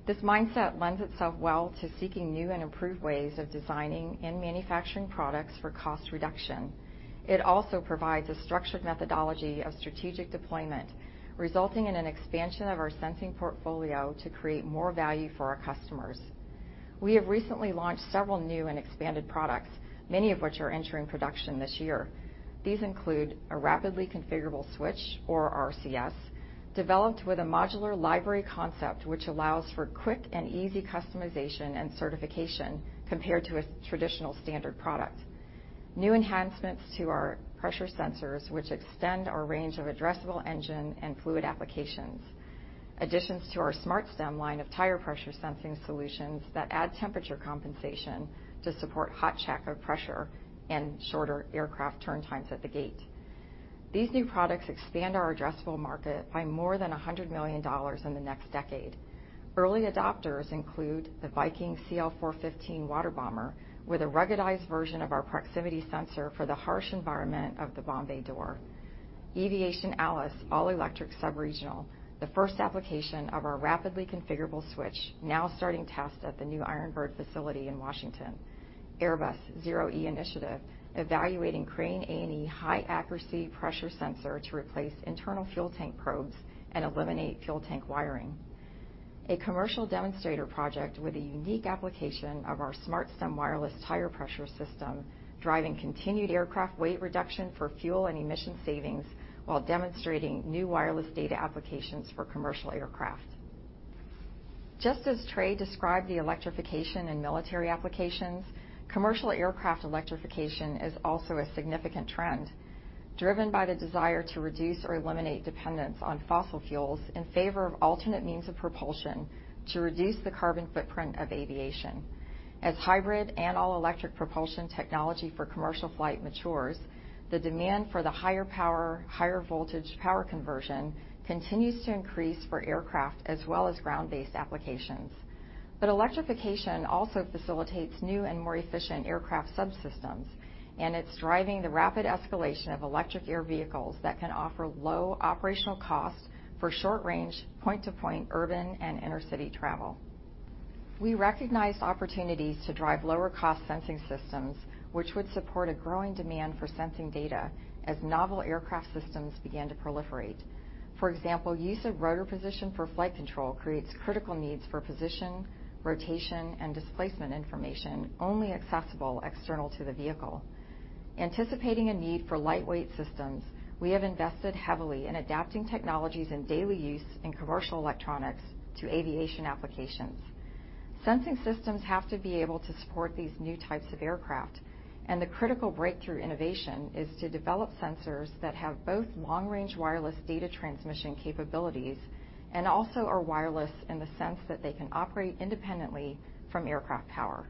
This mindset lends itself well to seeking new and improved ways of designing and manufacturing products for cost reduction. It also provides a structured methodology of strategic deployment, resulting in an expansion of our sensing portfolio to create more value for our customers. We have recently launched several new and expanded products, many of which are entering production this year. These include a Rapidly Configurable Switch, or RCS, developed with a modular library concept which allows for quick and easy customization and certification compared to a traditional standard product. New enhancements to our pressure sensors which extend our range of addressable engine and fluid applications. Additions to our SmartStem line of tire pressure sensing solutions that add temperature compensation to support hot checker pressure and shorter aircraft turn times at the gate. These new products expand our addressable market by more than $100 million in the next decade. Early adopters include the Viking CL-415 water bomber with a ruggedized version of our proximity sensor for the harsh environment of the bomb bay door. Eviation Alice, All-Electric Sub-Regional, the first application of our Rapidly Configurable Switch, now starting tests at the new Iron Bird facility in Washington. Airbus ZEROe initiative, evaluating Crane A&E high-accuracy pressure sensor to replace internal fuel tank probes and eliminate fuel tank wiring. A commercial demonstrator project with a unique application of our SmartStem wireless tire pressure system, driving continued aircraft weight reduction for fuel and emission savings while demonstrating new wireless data applications for commercial aircraft. Just as Trey described the electrification in military applications, commercial aircraft electrification is also a significant trend, driven by the desire to reduce or eliminate dependence on fossil fuels in favor of alternate means of propulsion to reduce the carbon footprint of aviation. As hybrid and all-electric propulsion technology for commercial flight matures, the demand for the higher power, higher voltage power conversion continues to increase for aircraft as well as ground-based applications. Electrification also facilitates new and more efficient aircraft subsystems, and it's driving the rapid escalation of electric air vehicles that can offer low operational costs for short-range, point-to-point, urban and intercity travel. We recognize opportunities to drive lower cost sensing systems, which would support a growing demand for sensing data as novel aircraft systems begin to proliferate. For example, use of rotor position for flight control creates critical needs for position, rotation, and displacement information only accessible external to the vehicle. Anticipating a need for lightweight systems, we have invested heavily in adapting technologies in daily use in commercial electronics to aviation applications. Sensing systems have to be able to support these new types of aircraft, and the critical breakthrough innovation is to develop sensors that have both long-range wireless data transmission capabilities and also are wireless in the sense that they can operate independently from aircraft power.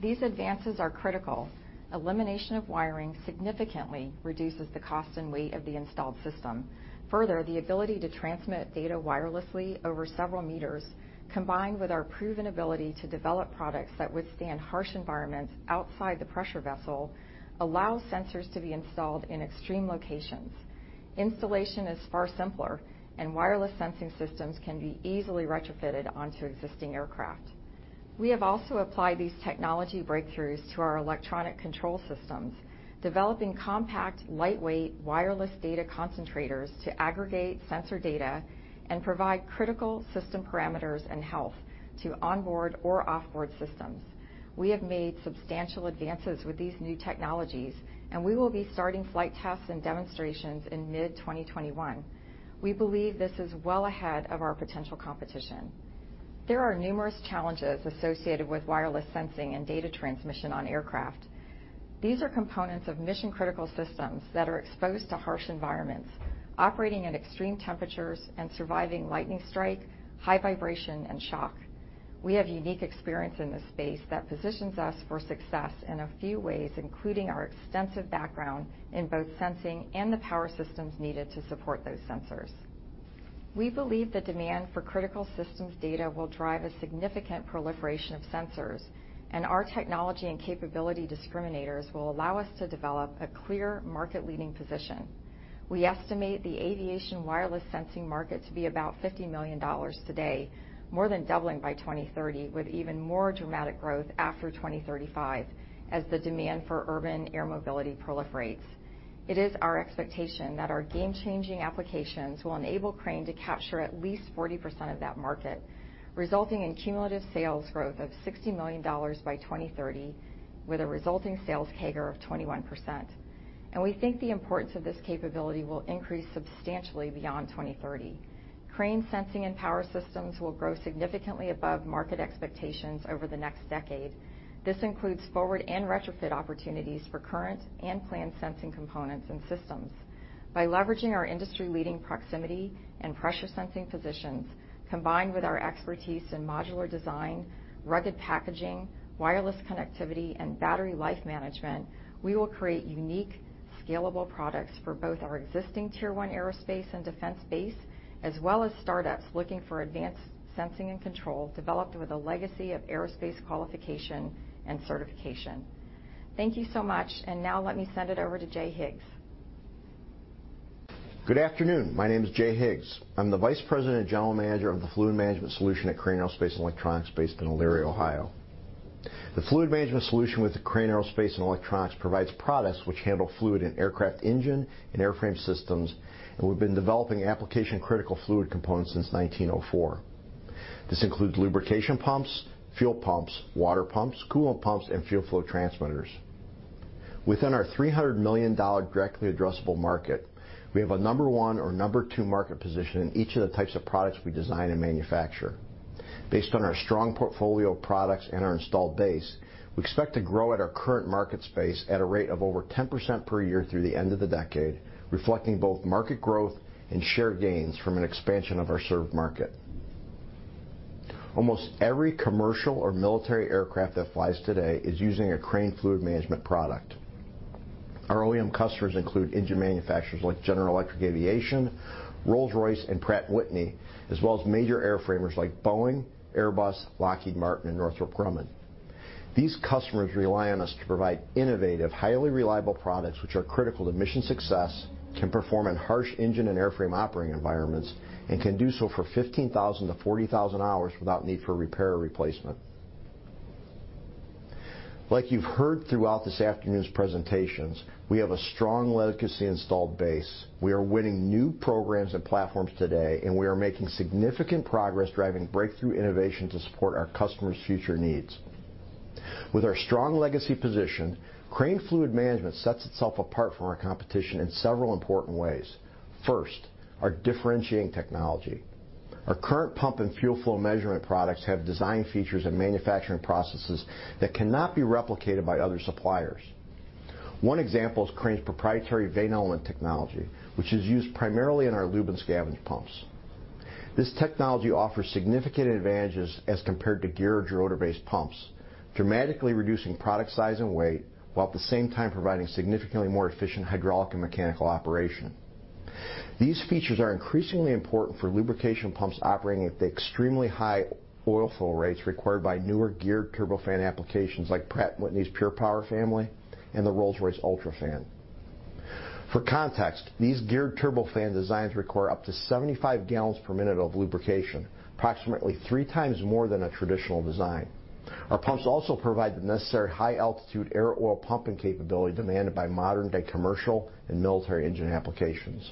These advances are critical. Elimination of wiring significantly reduces the cost and weight of the installed system. Further, the ability to transmit data wirelessly over several meters, combined with our proven ability to develop products that withstand harsh environments outside the pressure vessel, allows sensors to be installed in extreme locations. Installation is far simpler, and wireless sensing systems can be easily retrofitted onto existing aircraft. We have also applied these technology breakthroughs to our electronic control systems, developing compact, lightweight, wireless data concentrators to aggregate sensor data and provide critical system parameters and health to onboard or off-board systems. We have made substantial advances with these new technologies, and we will be starting flight tests and demonstrations in mid-2021. We believe this is well ahead of our potential competition. There are numerous challenges associated with wireless sensing and data transmission on aircraft. These are components of mission-critical systems that are exposed to harsh environments, operating at extreme temperatures and surviving lightning strikes, high vibration, and shock. We have unique experience in this space that positions us for success in a few ways, including our extensive background in both Sensing and Power Systems needed to support those sensors. We believe the demand for critical systems data will drive a significant proliferation of sensors, and our technology and capability discriminators will allow us to develop a clear market-leading position. We estimate the aviation wireless sensing market to be about $50 million today, more than doubling by 2030, with even more dramatic growth after 2035 as the demand for Urban Air Mobility proliferates. It is our expectation that our game-changing applications will enable Crane to capture at least 40% of that market, resulting in cumulative sales growth of $60 million by 2030, with a resulting sales CAGR of 21%. We think the importance of this capability will increase substantially beyond 2030. Crane Sensing and Power Systems will grow significantly above market expectations over the next decade. This includes forward and retrofit opportunities for current and planned sensing components and systems. By leveraging our industry-leading proximity and pressure sensing positions, combined with our expertise in modular design, rugged packaging, wireless connectivity, and battery life management, we will create unique, scalable products for both our existing Tier 1 aerospace and defense base, as well as startups looking for advanced sensing and control developed with a legacy of aerospace qualification and certification. Thank you so much. Now let me send it over to Jay Higgs. Good afternoon. My name is Jay Higgs. I'm the Vice President and General Manager of the Fluid Management Solution at Crane Aerospace & Electronics based in Elyria, Ohio. The Fluid Management Solution with the Crane Aerospace & Electronics provides products which handle fluid in aircraft engine and airframe systems, and we've been developing application-critical fluid components since 1904. This includes lubrication pumps, fuel pumps, water pumps, coolant pumps, and fuel flow transmitters. Within our $300 million directly addressable market, we have a number one or number two market position in each of the types of products we design and manufacture. Based on our strong portfolio of products and our installed base, we expect to grow at our current market space at a rate of over 10% per year through the end of the decade, reflecting both market growth and share gains from an expansion of our served market. Almost every commercial or military aircraft that flies today is using a Crane Fluid Management product. Our OEM customers include engine manufacturers like General Electric Aviation, Rolls-Royce, and Pratt & Whitney, as well as major airframers like Boeing, Airbus, Lockheed Martin, and Northrop Grumman. These customers rely on us to provide innovative, highly reliable products which are critical to mission success, can perform in harsh engine and airframe operating environments, and can do so for 15,000 to 40,000 hours without need for repair or replacement. Like you've heard throughout this afternoon's presentations, we have a strong legacy installed base. We are winning new programs and platforms today, we are making significant progress driving breakthrough innovation to support our customers' future needs. With our strong legacy position, Crane Fluid Management sets itself apart from our competition in several important ways. First, our differentiating technology. Our current pump and fuel flow measurement products have design features and manufacturing processes that cannot be replicated by other suppliers. One example is Crane's proprietary vane element technology, which is used primarily in our lube and scavenge pumps. This technology offers significant advantages as compared to gear or rotor-based pumps, dramatically reducing product size and weight, while at the same time providing significantly more efficient hydraulic and mechanical operation. These features are increasingly important for lubrication pumps operating at the extremely high oil flow rates required by newer geared turbofan applications like Pratt & Whitney's PurePower family and the Rolls-Royce UltraFan. For context, these geared turbofan designs require up to 75 gallons per minute of lubrication, approximately three times more than a traditional design. Our pumps also provide the necessary high-altitude air oil pumping capability demanded by modern-day commercial and military engine applications.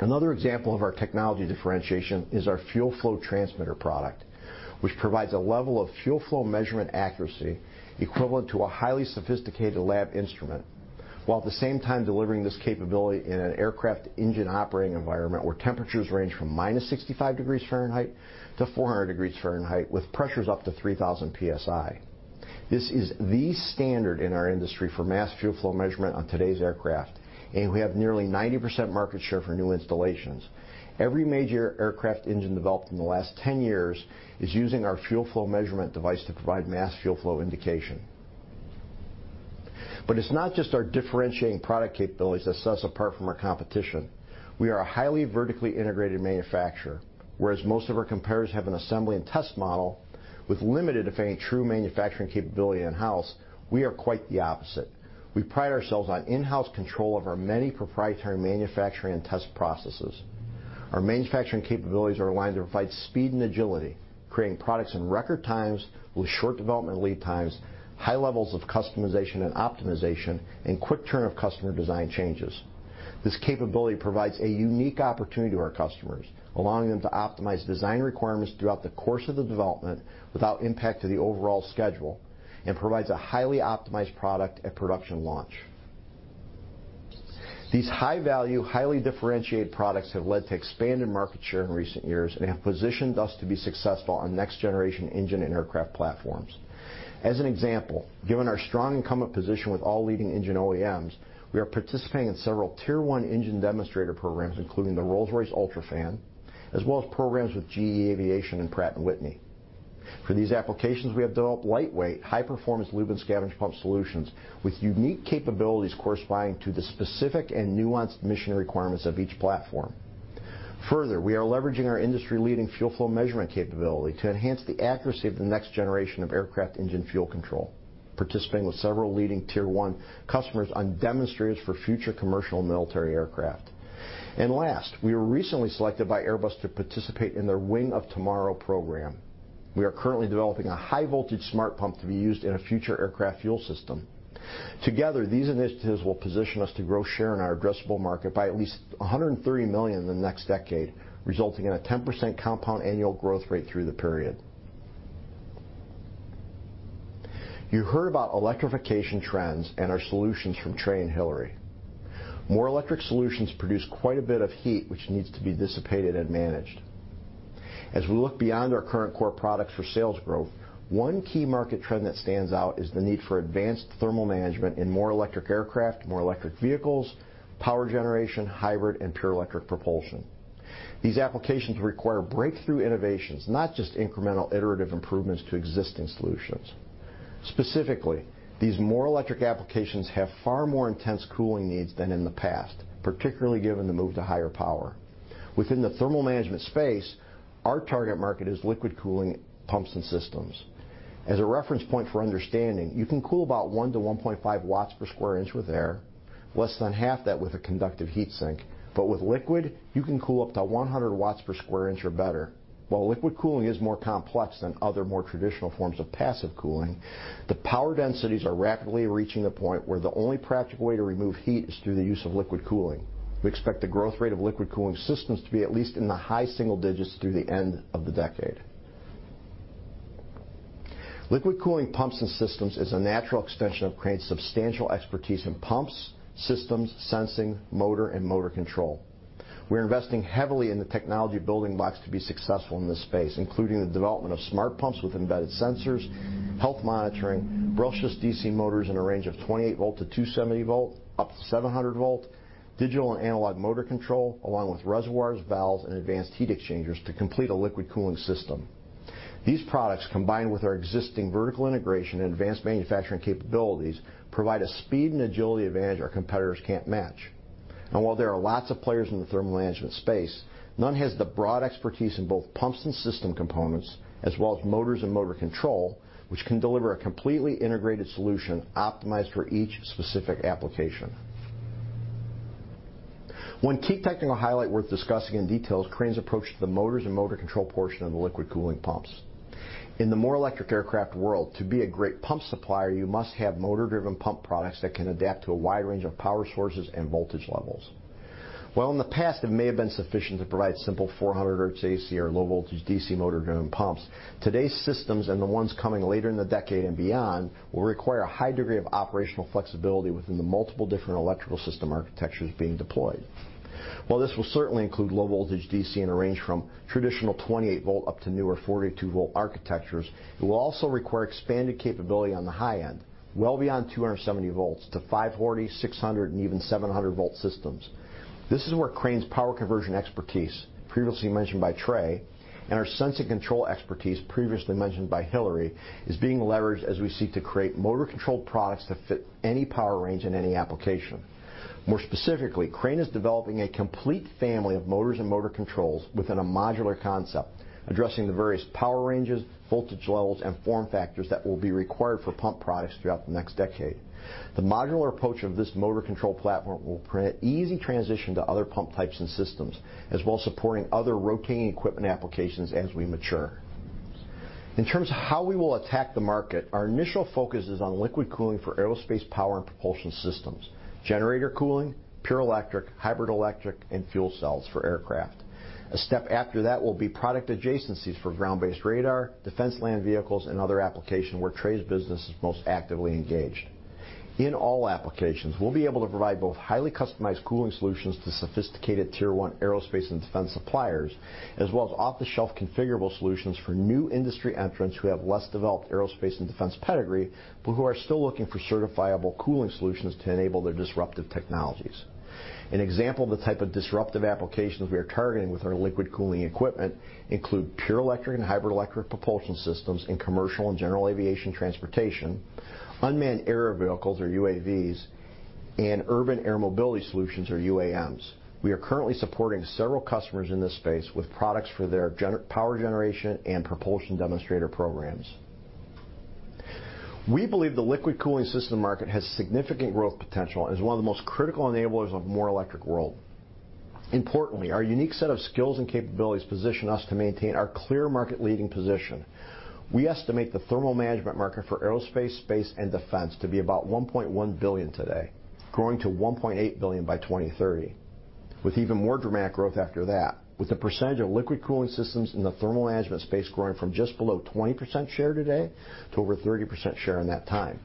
Another example of our technology differentiation is our fuel flow transmitter product, which provides a level of fuel flow measurement accuracy equivalent to a highly sophisticated lab instrument, while at the same time delivering this capability in an aircraft engine operating environment where temperatures range from -65 degrees Fahrenheit to 400 degrees Fahrenheit with pressures up to 3,000 psi. This is the standard in our industry for mass fuel flow measurement on today's aircraft, and we have nearly 90% market share for new installations. Every major aircraft engine developed in the last 10 years is using our fuel flow measurement device to provide mass fuel flow indication. It's not just our differentiating product capabilities that set us apart from our competition. We are a highly vertically integrated manufacturer. Whereas most of our competitors have an assembly and test model with limited, if any, true manufacturing capability in-house, we are quite the opposite. We pride ourselves on in-house control of our many proprietary manufacturing and test processes. Our manufacturing capabilities are aligned to provide speed and agility, creating products in record times with short development lead times, high levels of customization and optimization, and quick turn of customer design changes. This capability provides a unique opportunity to our customers, allowing them to optimize design requirements throughout the course of the development without impact to the overall schedule and provides a highly optimized product at production launch. These high-value, highly differentiated products have led to expanded market share in recent years and have positioned us to be successful on next-generation engine and aircraft platforms. As an example, given our strong incumbent position with all leading engine OEMs, we are participating in several tier 1 engine demonstrator programs, including the Rolls-Royce UltraFan, as well as programs with GE Aerospace and Pratt & Whitney. For these applications, we have developed lightweight, high-performance lube and scavenge pump solutions with unique capabilities corresponding to the specific and nuanced mission requirements of each platform. Further, we are leveraging our industry-leading fuel flow measurement capability to enhance the accuracy of the next generation of aircraft engine fuel control, participating with several leading tier 1 customers on demonstrators for future commercial and military aircraft. Last, we were recently selected by Airbus to participate in their Wing of Tomorrow program. We are currently developing a high-voltage smart pump to be used in a future aircraft fuel system. Together, these initiatives will position us to grow share in our addressable market by at least $130 million in the next decade, resulting in a 10% compound annual growth rate through the period. You heard about electrification trends and our solutions from Trey Endt and Hilary King. More electric solutions produce quite a bit of heat, which needs to be dissipated and managed. As we look beyond our current core products for sales growth, one key market trend that stands out is the need for advanced thermal management in more electric aircraft, more electric vehicles, power generation, hybrid, and pure electric propulsion. These applications require breakthrough innovations, not just incremental iterative improvements to existing solutions. Specifically, these more electric applications have far more intense cooling needs than in the past, particularly given the move to higher power. Within the thermal management space, our target market is liquid cooling pumps and systems. As a reference point for understanding, you can cool about 1 watt - 1.5 watts per square inch with air, less than half that with a conductive heat sink, but with liquid, you can cool up to 100 watts per square inch or better. While liquid cooling is more complex than other more traditional forms of passive cooling, the power densities are rapidly reaching a point where the only practical way to remove heat is through the use of liquid cooling. We expect the growth rate of liquid cooling systems to be at least in the high single digits through the end of the decade. Liquid cooling pumps and systems is a natural extension of Crane's substantial expertise in pumps, systems, sensing, motor, and motor control. We're investing heavily in the technology building blocks to be successful in this space, including the development of smart pumps with embedded sensors, health monitoring, brushless DC motors in a range of 28 V to 270 V, up to 700 V, digital and analog motor control, along with reservoirs, valves, and advanced heat exchangers to complete a liquid cooling system. These products, combined with our existing vertical integration and advanced manufacturing capabilities, provide a speed and agility advantage our competitors can't match. While there are lots of players in the thermal management space, none has the broad expertise in both pumps and system components, as well as motors and motor control, which can deliver a completely integrated solution optimized for each specific application. One key technical highlight worth discussing in detail is Crane's approach to the motors and motor control portion of the liquid cooling pumps. In the more electric aircraft world, to be a great pump supplier, you must have motor-driven pump products that can adapt to a wide range of power sources and voltage levels. While in the past, it may have been sufficient to provide simple 400 hertz AC or low voltage DC motor-driven pumps, today's systems and the ones coming later in the decade and beyond will require a high degree of operational flexibility within the multiple different electrical system architectures being deployed. While this will certainly include low voltage DC in a range from traditional 28 V up to newer 42 V architectures, it will also require expanded capability on the high end, well beyond 270 V to 540 V, 600 V, and even 700 V systems. This is where Crane Company's power conversion expertise, previously mentioned by Trey Endt, and our sensing of control expertise, previously mentioned by Hilary King, is being leveraged as we seek to create motor control products that fit any power range in any application. More specifically, Crane Company is developing a complete family of motors and motor controls within a modular concept, addressing the various power ranges, voltage levels, and form factors that will be required for pump products throughout the next decade. The modular approach of this motor control platform will create easy transition to other pump types and systems, as well as supporting other rotating equipment applications as we mature. In terms of how we will attack the market, our initial focus is on liquid cooling for aerospace power and propulsion systems, generator cooling, pure electric, hybrid electric, and fuel cells for aircraft. A step after that will be product adjacencies for ground-based radar, defense land vehicles, and other applications where Trey's business is most actively engaged. In all applications, we will be able to provide both highly customized cooling solutions to sophisticated Tier 1 aerospace and defense suppliers, as well as off-the-shelf configurable solutions for new industry entrants who have less developed aerospace and defense pedigree, but who are still looking for certifiable cooling solutions to enable their disruptive technologies. An example of the type of disruptive applications we are targeting with our liquid cooling equipment include pure electric and hybrid electric propulsion systems in commercial and general aviation transportation, Unmanned Aerial Vehicles or UAVs, and Urban Air Mobility solutions or UAMs. We are currently supporting several customers in this space with products for their power generation and propulsion demonstrator programs. We believe the liquid cooling system market has significant growth potential and is one of the most critical enablers of a more electric world. Importantly, our unique set of skills and capabilities position us to maintain our clear market-leading position. We estimate the thermal management market for aerospace, space, and defense to be about $1.1 billion today, growing to $1.8 billion by 2030, with even more dramatic growth after that, with the percentage of liquid cooling systems in the thermal management space growing from just below 20% share today to over 30% share in that time.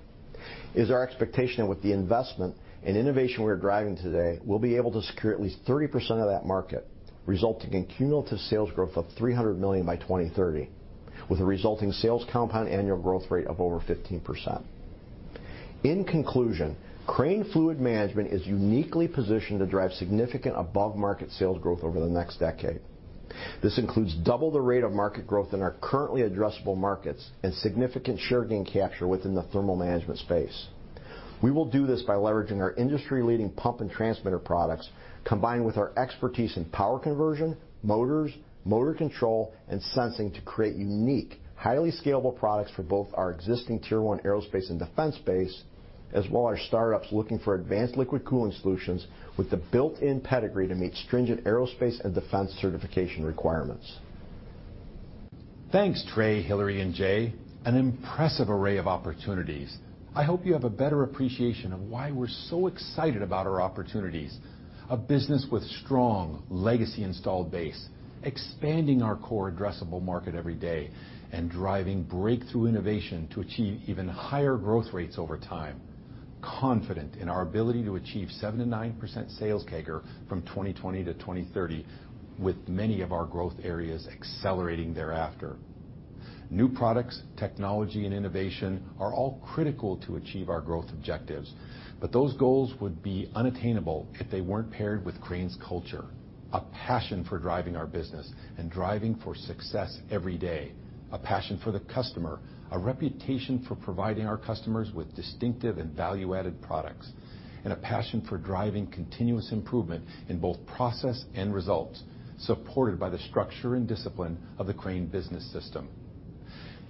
It is our expectation that with the investment and innovation we're driving today, we'll be able to secure at least 30% of that market, resulting in cumulative sales growth of $300 million by 2030, with a resulting sales compound annual growth rate of over 15%. In conclusion, Crane Fluid Management is uniquely positioned to drive significant above-market sales growth over the next decade. This includes double the rate of market growth in our currently addressable markets and significant share gain capture within the thermal management space. We will do this by leveraging our industry-leading pump and transmitter products, combined with our expertise in power conversion, motors, motor control, and sensing to create unique, highly scalable products for both our existing Tier 1 aerospace and defense base, as well as startups looking for advanced liquid cooling solutions with the built-in pedigree to meet stringent Aerospace & Defense certification requirements. Thanks, Trey, Hilary, and Jay. An impressive array of opportunities. I hope you have a better appreciation of why we're so excited about our opportunities. A business with strong legacy installed base, expanding our core addressable market every day, and driving breakthrough innovation to achieve even higher growth rates over time, confident in our ability to achieve 7%-9% sales CAGR from 2020 to 2030, with many of our growth areas accelerating thereafter. New products, technology, and innovation are all critical to achieve our growth objectives. Those goals would be unattainable if they weren't paired with Crane's culture, a passion for driving our business, and driving for success every day, a passion for the customer, a reputation for providing our customers with distinctive and value-added products, and a passion for driving continuous improvement in both process and results, supported by the structure and discipline of the Crane Business System.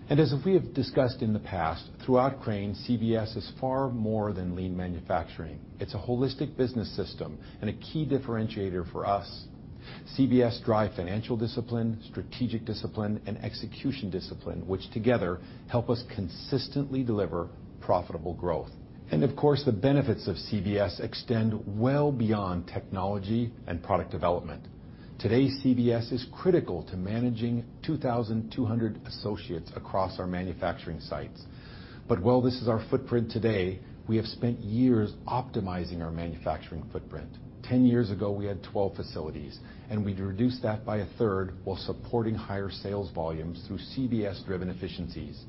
As we have discussed in the past, throughout Crane, CBS is far more than lean manufacturing. It's a holistic business system and a key differentiator for us. CBS drive financial discipline, strategic discipline, and execution discipline, which together help us consistently deliver profitable growth. Of course, the benefits of CBS extend well beyond technology and product development. Today, CBS is critical to managing 2,200 associates across our manufacturing sites. While this is our footprint today, we have spent years optimizing our manufacturing footprint. Ten years ago, we had 12 facilities, and we've reduced that by a third while supporting higher sales volumes through CBS-driven efficiencies.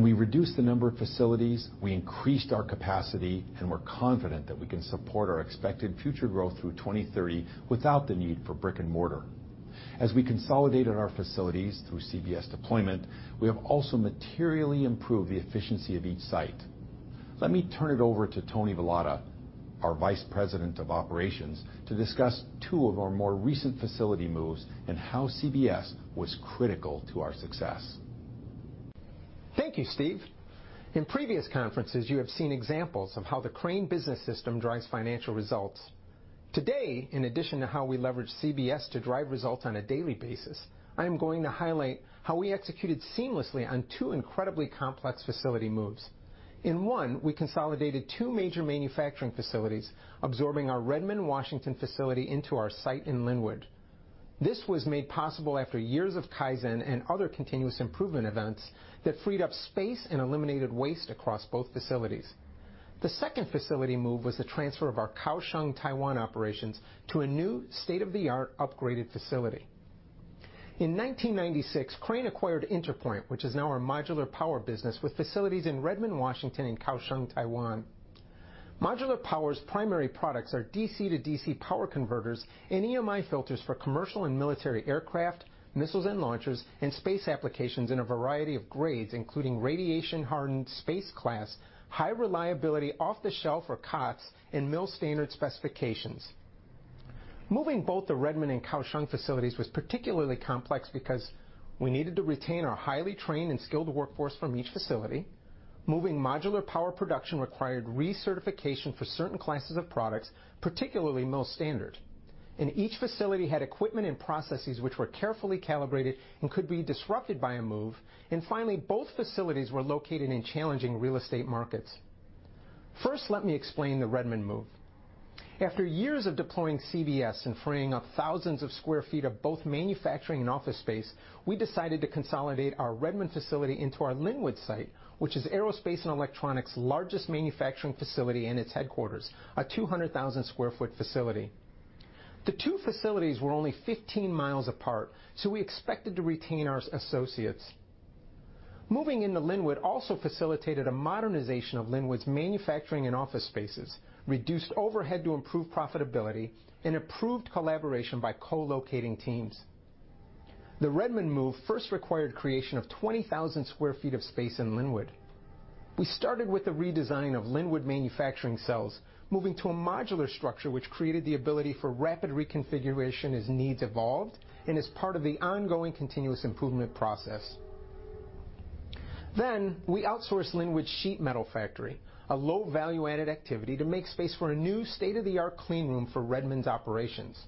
We reduced the number of facilities, we increased our capacity, and we're confident that we can support our expected future growth through 2030 without the need for brick and mortar. As we consolidated our facilities through CBS deployment, we have also materially improved the efficiency of each site. Let me turn it over to Tony Velotta, our Vice President of Operations, to discuss two of our more recent facility moves and how CBS was critical to our success. Thank you, Steve. In previous conferences, you have seen examples of how the Crane Business System drives financial results. Today, in addition to how we leverage CBS to drive results on a daily basis, I'm going to highlight how we executed seamlessly on two incredibly complex facility moves. In one, we consolidated two major manufacturing facilities, absorbing our Redmond, Washington facility into our site in Lynnwood. This was made possible after years of Kaizen and other continuous improvement events that freed up space and eliminated waste across both facilities. The second facility move was the transfer of our Kaohsiung, Taiwan operations to a new state-of-the-art upgraded facility. In 1996, Crane acquired Interpoint, which is now our modular power business with facilities in Redmond, Washington, and Kaohsiung, Taiwan. Modular Power's primary products are DC-to-DC power converters and EMI filters for commercial and military aircraft, missiles and launchers, and space applications in a variety of grades, including radiation-hardened space class, high-reliability Commercial Off-The-Shelf or COTS, and MIL-STD specifications. Moving both the Redmond and Kaohsiung facilities was particularly complex because we needed to retain our highly trained and skilled workforce from each facility. Moving modular power production required recertification for certain classes of products, particularly MIL-STD, Each facility had equipment and processes which were carefully calibrated and could be disrupted by a move. Finally, both facilities were located in challenging real estate markets. First, let me explain the Redmond move. After years of deploying CBS and freeing up thousands of sq ft of both manufacturing and office space, we decided to consolidate our Redmond facility into our Lynnwood site, which is Crane Aerospace & Electronics' largest manufacturing facility and its headquarters, a 200,000 sq ft facility. The two facilities were only 15 miles apart, we expected to retain our associates. Moving into Lynnwood also facilitated a modernization of Lynnwood's manufacturing and office spaces, reduced overhead to improve profitability, and improved collaboration by co-locating teams. The Redmond move first required creation of 20,000 sq ft of space in Lynnwood. We started with a redesign of Lynnwood manufacturing cells, moving to a modular structure which created the ability for rapid reconfiguration as needs evolved and as part of the ongoing continuous improvement process. We outsourced Lynnwood's sheet metal factory, a low value-added activity, to make space for a new state-of-the-art clean room for Redmond's operations.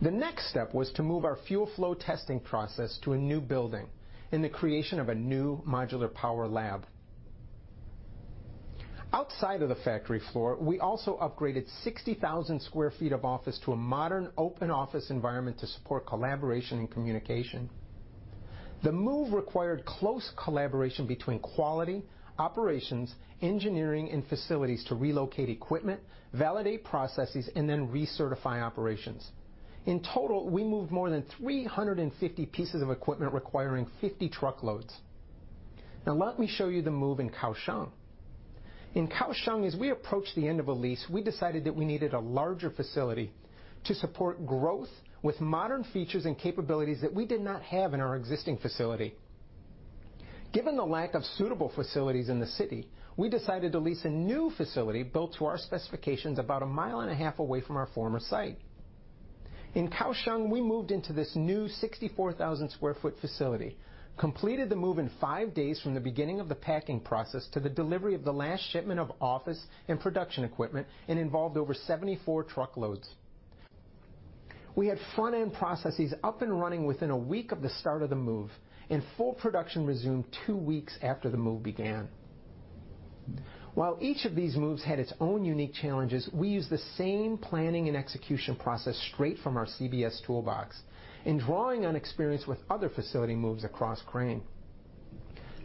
The next step was to move our fuel flow testing process to a new building in the creation of a new modular power lab. Outside of the factory floor, we also upgraded 60,000 sq ft of office to a modern open office environment to support collaboration and communication. The move required close collaboration between quality, operations, engineering, and facilities to relocate equipment, validate processes, and then recertify operations. In total, we moved more than 350 pieces of equipment requiring 50 truckloads. Now let me show you the move in Kaohsiung. In Kaohsiung, as we approached the end of a lease, we decided that we needed a larger facility to support growth with modern features and capabilities that we did not have in our existing facility. Given the lack of suitable facilities in the city, we decided to lease a new facility built to our specifications about a mile and a half away from our former site. In Kaohsiung, we moved into this new 64,000 square foot facility, completed the move in five days from the beginning of the packing process to the delivery of the last shipment of office and production equipment, and involved over 74 truckloads. We had front-end processes up and running within a week of the start of the move, and full production resumed two weeks after the move began. While each of these moves had its own unique challenges, we used the same planning and execution process straight from our CBS toolbox in drawing on experience with other facility moves across Crane.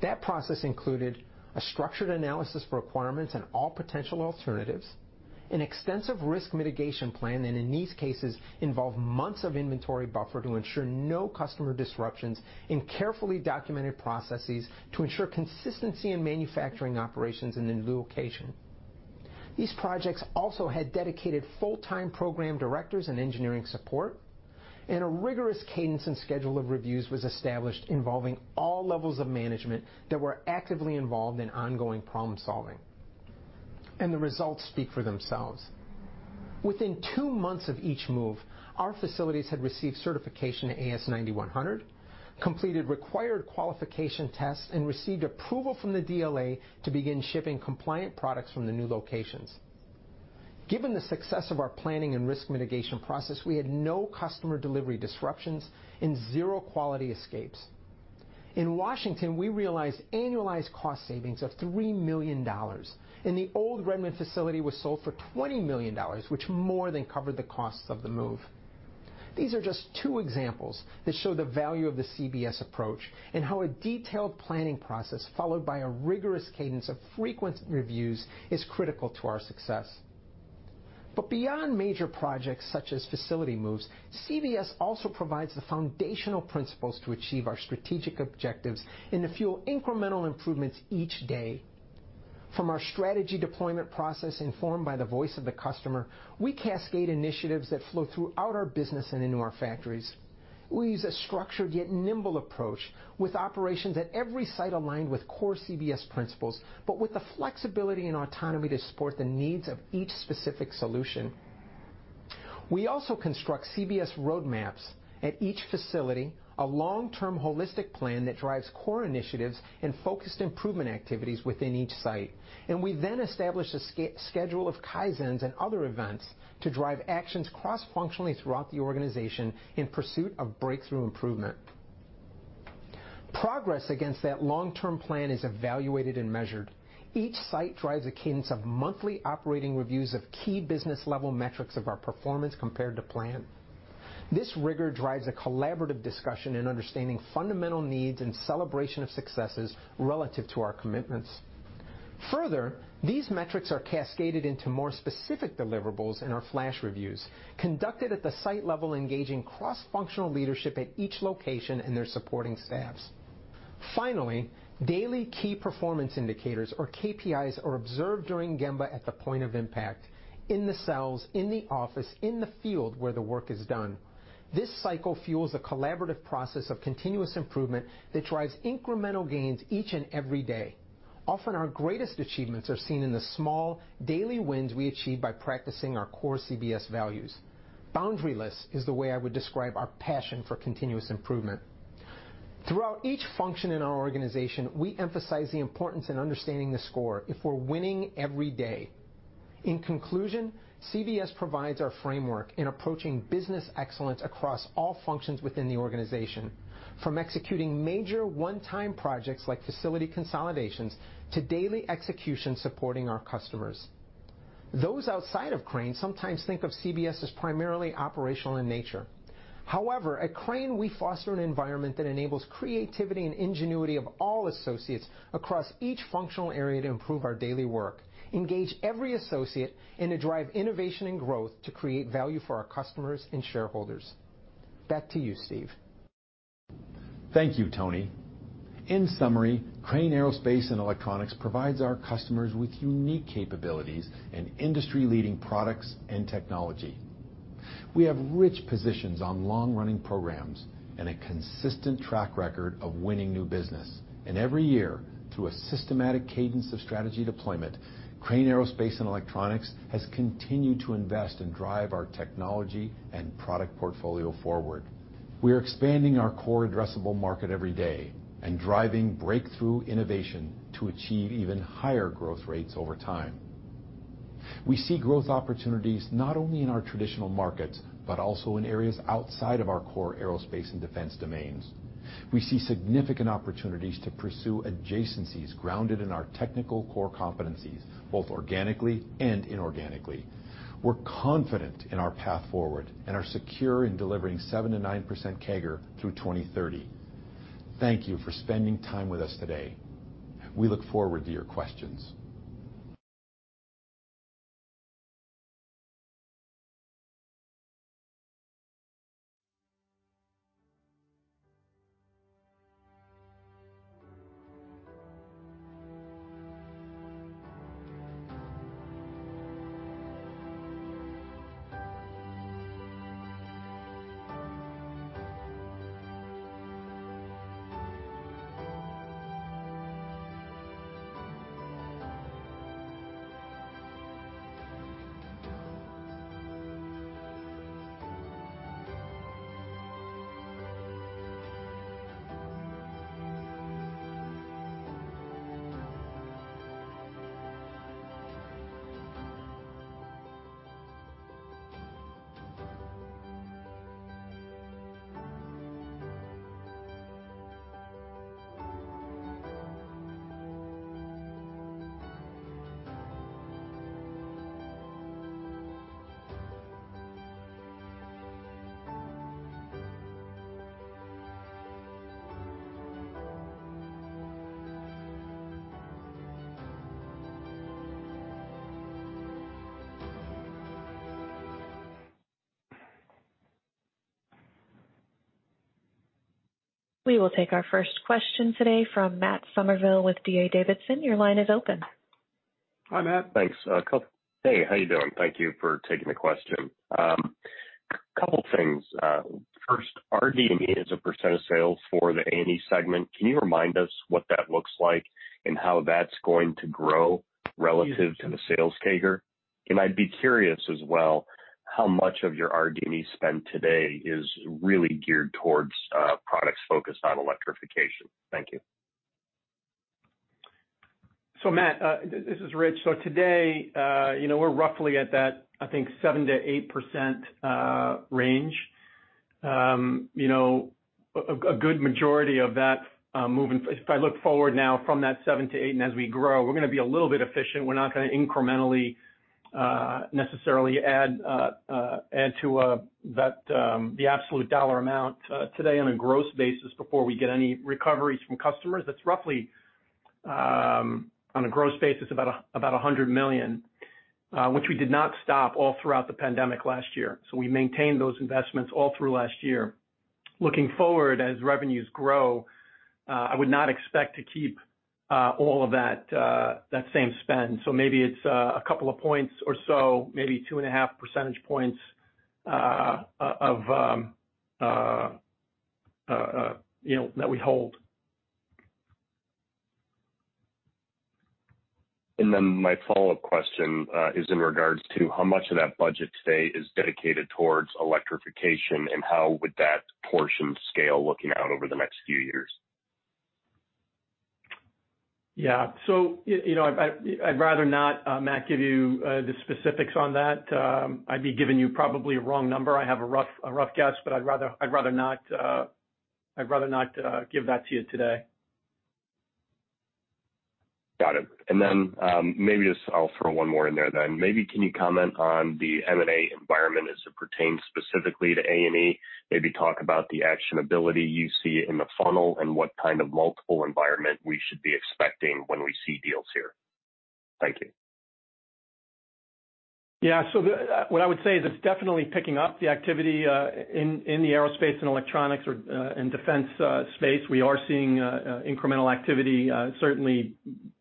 That process included a structured analysis of requirements and all potential alternatives, an extensive risk mitigation plan, and in these cases, involved months of inventory buffer to ensure no customer disruptions and carefully documented processes to ensure consistency in manufacturing operations in the new location. These projects also had dedicated full-time program directors and engineering support, and a rigorous cadence and schedule of reviews was established involving all levels of management that were actively involved in ongoing problem-solving, and the results speak for themselves. Within two months of each move, our facilities had received certification to AS 9100, completed required qualification tests, and received approval from the DLA to begin shipping compliant products from the new locations. Given the success of our planning and risk mitigation process, we had no customer delivery disruptions and zero quality escapes. In Washington, we realized annualized cost savings of $3 million, and the old Redmond facility was sold for $20 million, which more than covered the costs of the move. These are just two examples that show the value of the CBS approach and how a detailed planning process followed by a rigorous cadence of frequent reviews is critical to our success. Beyond major projects such as facility moves, CBS also provides the foundational principles to achieve our strategic objectives and to fuel incremental improvements each day. From our strategy deployment process informed by the voice of the customer, we cascade initiatives that flow throughout our business and into our factories. We use a structured yet nimble approach with operations at every site aligned with core CBS principles, but with the flexibility and autonomy to support the needs of each specific solution. We also construct CBS roadmaps at each facility, a long-term holistic plan that drives core initiatives and focused improvement activities within each site. We then establish a schedule of Kaizens and other events to drive actions cross-functionally throughout the organization in pursuit of breakthrough improvement. Progress against that long-term plan is evaluated and measured. Each site drives a cadence of monthly operating reviews of key business-level metrics of our performance compared to plan. This rigor drives a collaborative discussion in understanding fundamental needs and celebration of successes relative to our commitments. Further, these metrics are cascaded into more specific deliverables in our flash reviews, conducted at the site level, engaging cross-functional leadership at each location and their supporting staffs. Finally, daily key performance indicators or KPIs are observed during Gemba at the point of impact, in the cells, in the office, in the field where the work is done. This cycle fuels a collaborative process of continuous improvement that drives incremental gains each and every day. Often, our greatest achievements are seen in the small daily wins we achieve by practicing our core CBS values. Boundaryless is the way I would describe our passion for continuous improvement. Throughout each function in our organization, we emphasize the importance in understanding the score if we're winning every day. In conclusion, CBS provides our framework in approaching business excellence across all functions within the organization, from executing major one-time projects like facility consolidations to daily execution supporting our customers. Those outside of Crane sometimes think of CBS as primarily operational in nature. At Crane, we foster an environment that enables creativity and ingenuity of all associates across each functional area to improve our daily work, engage every associate, and to drive innovation and growth to create value for our customers and shareholders. Back to you, Steve. Thank you, Tony. In summary, Crane Aerospace & Electronics provides our customers with unique capabilities and industry-leading products and technology. We have rich positions on long-running programs and a consistent track record of winning new business. Every year, through a systematic cadence of strategy deployment, Crane Aerospace & Electronics has continued to invest and drive our technology and product portfolio forward. We are expanding our core addressable market every day and driving breakthrough innovation to achieve even higher growth rates over time. We see growth opportunities not only in our traditional markets, but also in areas outside of our core aerospace and defense domains. We see significant opportunities to pursue adjacencies grounded in our technical core competencies, both organically and inorganically. We're confident in our path forward and are secure in delivering 7%-9% CAGR through 2030. Thank you for spending time with us today. We look forward to your questions. We will take our first question today from Matt Summerville with D.A. Davidson. Your line is open. Hi, Matt. Thanks. Hey, how you doing? Thank you for taking the question. A couple things. First, R&D as a % of sales for the A&E segment. Can you remind us what that looks like and how that's going to grow relative to the sales CAGR? I'd be curious as well, how much of your R&D spend today is really geared towards products focused on electrification? Thank you. Matt, this is Rich. Today, we're roughly at that, I think, 7%-8% range. If I look forward now from that 7% to 8%, and as we grow, we're going to be a little bit efficient. We're not going to incrementally necessarily add to the absolute dollar amount today on a gross basis before we get any recoveries from customers. That's roughly, on a gross basis, about $100 million. Which we did not stop all throughout the pandemic last year. We maintained those investments all through last year. Looking forward, as revenues grow, I would not expect to keep all of that same spend. Maybe it's a couple of points or so, maybe two and a half percentage points that we hold. My follow-up question is in regards to how much of that budget today is dedicated towards electrification, and how would that portion scale looking out over the next few years? Yeah. I'd rather not, Matt, give you the specifics on that. I'd be giving you probably a wrong number. I have a rough guess, but I'd rather not give that to you today. Got it. Maybe just I'll throw one more in there then. Maybe can you comment on the M&A environment as it pertains specifically to A&E? Maybe talk about the actionability you see in the funnel and what kind of multiple environment we should be expecting when we see deals here. Thank you. Yeah. What I would say is it's definitely picking up the activity, in the Aerospace & Electronics or in defense space. We are seeing incremental activity certainly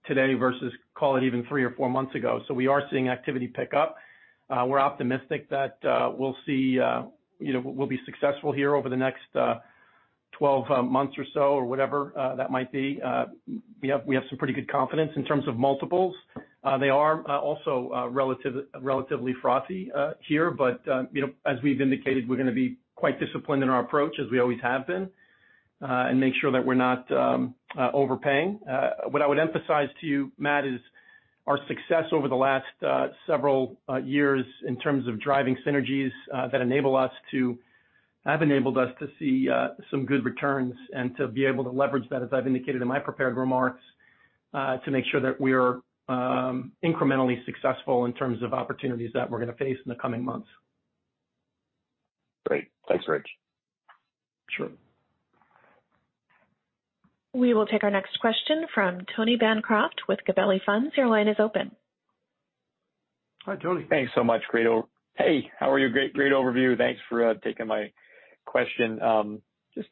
today versus call it even three or four months ago. We are seeing activity pick up. We're optimistic that we'll be successful here over the next 12 months or so, or whatever that might be. We have some pretty good confidence in terms of multiples. They are also relatively frothy here. As we've indicated, we're going to be quite disciplined in our approach as we always have been, and make sure that we're not overpaying. What I would emphasize to you, Matt, is our success over the last several years in terms of driving synergies that have enabled us to see some good returns and to be able to leverage that, as I've indicated in my prepared remarks, to make sure that we are incrementally successful in terms of opportunities that we're going to face in the coming months. Great. Thanks, Rich. Sure. We will take our next question from Tony Bancroft with Gabelli Funds. Your line is open. Hi, Tony. Thanks so much. Hey, how are you? Great overview. Thanks for taking my question. Just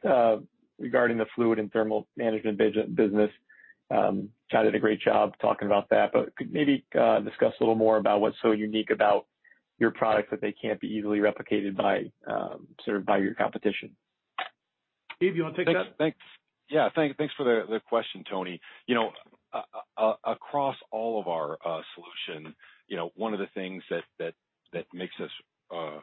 regarding the Fluid and Thermal Management Business. Tony did a great job talking about that, but could maybe discuss a little more about what's so unique about your product that they can't be easily replicated by your competition? Steve, you want to take that? Yeah. Thanks for the question, Tony. Across all of our solutions, one of the things that makes us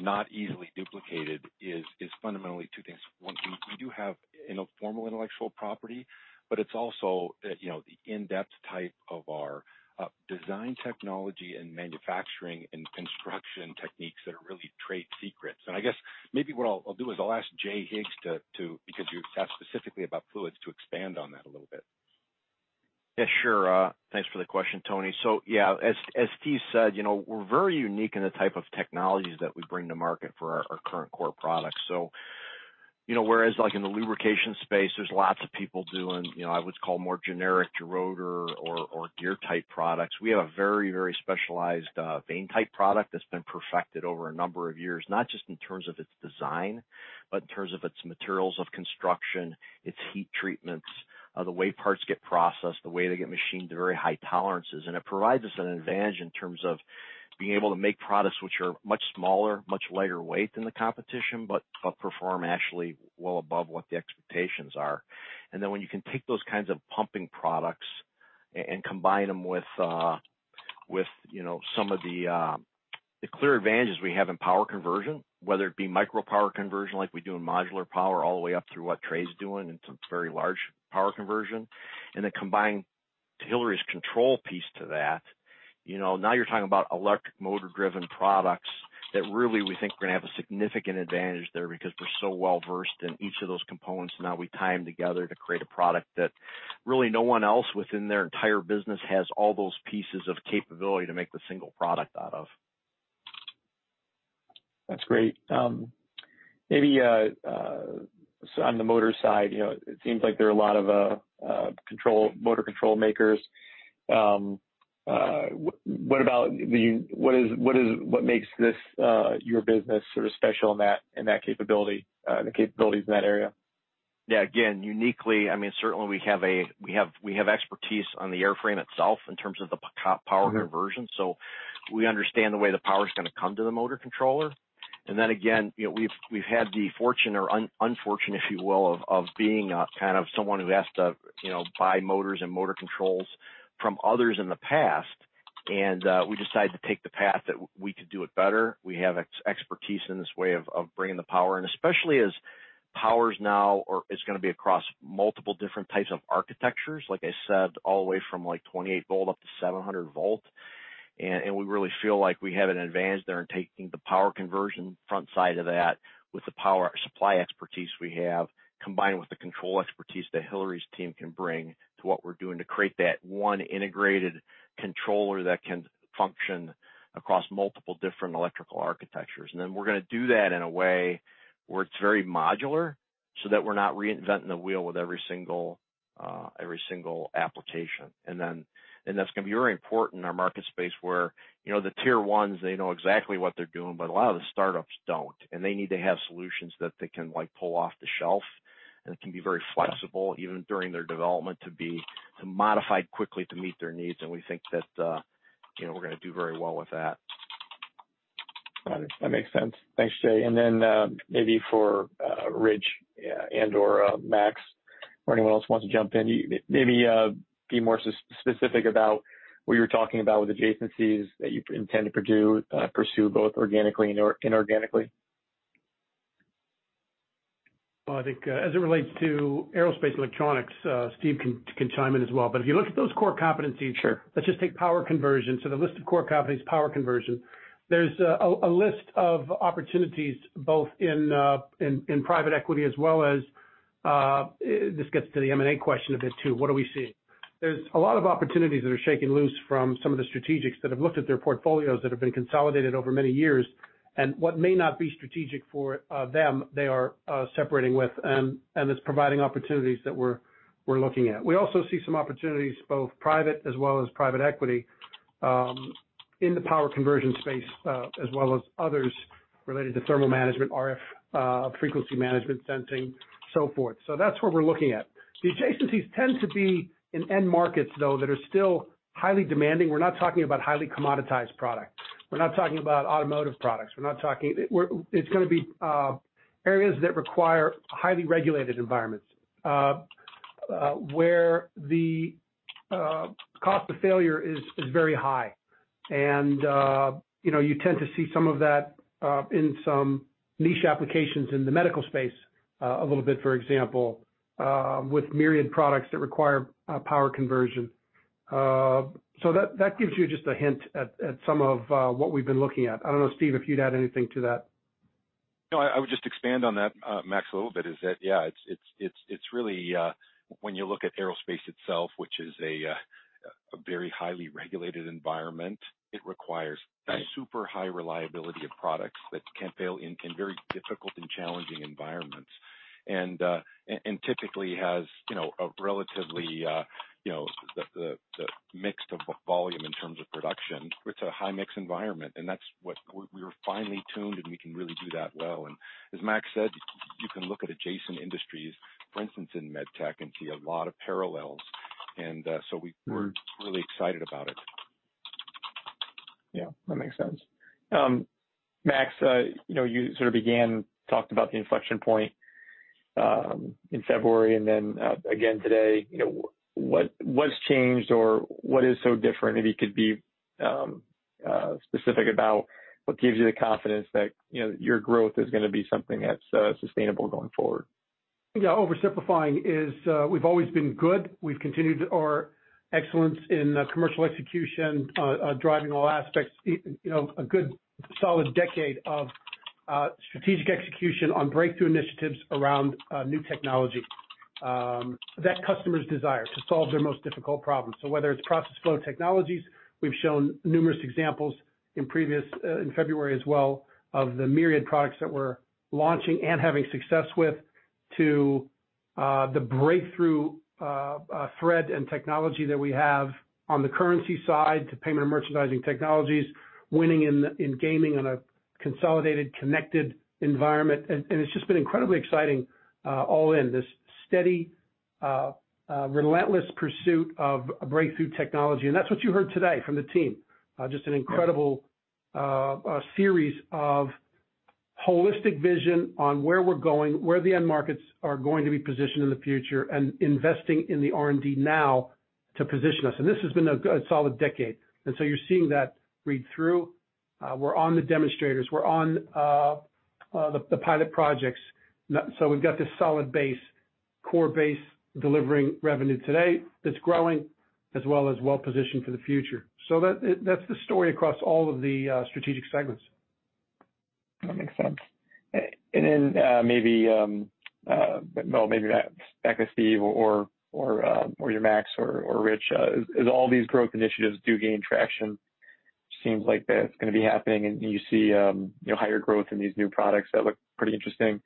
not easily duplicated is fundamentally two things. One, we do have formal intellectual property, but it's also the in-depth type of our design technology and manufacturing and construction techniques that are really trade secrets. I guess maybe what I'll do is I'll ask Jay Higgs to, because you asked specifically about fluids, to expand on that a little bit. Yeah, sure. Thanks for the question, Tony. Yeah, as Steve said, we're very unique in the type of technologies that we bring to market for our current core products. Whereas in the lubrication space, there's lots of people doing, I would call more generic geroter or gear-type products. We have a very specialized vane-type product that's been perfected over a number of years, not just in terms of its design, but in terms of its materials of construction, its heat treatments, the way parts get processed, the way they get machined to very high tolerances. It provides us an advantage in terms of being able to make products which are much smaller, much lighter weight than the competition, but perform actually well above what the expectations are. When you can take those kinds of pumping products and combine them with some of the clear advantages we have in power conversion, whether it be micro power conversion like we do in modular power, all the way up to what Trey's doing in some very large power conversion, and then combine Hilary's control piece to that. Now you're talking about electric motor-driven products that really we think are going to have a significant advantage there because we're so well-versed in each of those components, and now we tie them together to create a product that really no one else within their entire business has all those pieces of capability to make the single product out of. That's great. On the motor side, it seems like there are a lot of motor control makers. What makes your business sort of special in that capability, the capabilities in that area? Yeah, again, uniquely, I mean, certainly we have expertise on the airframe itself in terms of the power conversion. We understand the way the power's going to come to the motor controller. Again, we've had the fortune or unfortunate, if you will, of being kind of someone who has to buy motors and motor controls from others in the past. We decided to take the path that we could do it better. We have expertise in this way of bringing the power, and especially as power is now going to be across multiple different types of architectures. Like I said, all the way from 28 V up to 700 V. We really feel like we have an advantage there in taking the power conversion front side of that with the power supply expertise we have, combined with the control expertise that Hilary's team can bring to what we're doing to create that one integrated controller that can function across multiple different electrical architectures. Then we're going to do that in a way where it's very modular so that we're not reinventing the wheel with every single application. That's going to be very important in our market space where the Tier 1s, they know exactly what they're doing, but a lot of the startups don't, and they need to have solutions that they can pull off the shelf and can be very flexible, even during their development, to be modified quickly to meet their needs. We think that we're going to do very well with that. Got it. That makes sense. Thanks, Jay. Maybe for Rich and/or Max or anyone else wants to jump in, maybe be more specific about what you're talking about with adjacencies that you intend to pursue both organically and inorganically. I think as it relates to Aerospace & Electronics, Steve can chime in as well. If you look at those core competencies. Sure. Let's just take power conversion. The list of core competencies, power conversion. There's a list of opportunities both in private equity as well as, this gets to the M&A question a bit too. What are we seeing? There's a lot of opportunities that are shaking loose from some of the strategics that have looked at their portfolios that have been consolidated over many years. What may not be strategic for them, they are separating with, and it's providing opportunities that we're looking at. We also see some opportunities, both private as well as private equity, in the power conversion space as well as others related to thermal management, RF, frequency management, sensing, so forth. That's what we're looking at. The adjacencies tend to be in end markets, though, that are still highly demanding. We're not talking about highly commoditized products. We're not talking about automotive products. It's going to be areas that require highly regulated environments, where the cost of failure is very high. You tend to see some of that in some niche applications in the medical space a little bit, for example with myriad products that require power conversion. That gives you just a hint at some of what we've been looking at. I don't know, Steve, if you'd add anything to that. I would just expand on that, Max, a little bit, is that, yeah, when you look at aerospace itself, which is a very highly regulated environment, it requires a super high reliability of products that can fail in very difficult and challenging environments. Typically has the mix of volume in terms of production. It's a high-mix environment, and that's what we are finely tuned, and we can really do that well. As Max said, you can look at adjacent industries, for instance, in MedTech, and see a lot of parallels, and so we're really excited about it. Yeah, that makes sense. Max, you sort of again talked about the inflection point in February and then again today. What's changed or what is so different, if you could be specific about what gives you the confidence that your growth is going to be something that's sustainable going forward? Yeah, oversimplifying is we've always been good. We've continued our excellence in commercial execution driving all aspects, a good solid decade of strategic execution on breakthrough initiatives around new technology that customers desire to solve their most difficult problems. Whether it's Process Flow Technologies, we've shown numerous examples in February as well of the myriad products that we're launching and having success with, to the breakthrough thread and technology that we have on the currency side to Payment & Merchandising Technologies, winning in gaming in a consolidated, connected environment. It's just been incredibly exciting all in, this steady, relentless pursuit of breakthrough technology. That's what you heard today from the team, just an incredible series of holistic vision on where we're going, where the end markets are going to be positioned in the future, and investing in the R&D now to position us. This has been a good solid decade. You're seeing that read through. We're on the demonstrators, we're on the pilot projects. We've got this solid base, core base delivering revenue today that's growing as well as well-positioned for the future. That's the story across all of the strategic segments. That makes sense. Maybe back to Steve or to Max or Rich. As all these growth initiatives do gain traction, seems like that's going to be happening, and you see higher growth in these new products that look pretty interesting.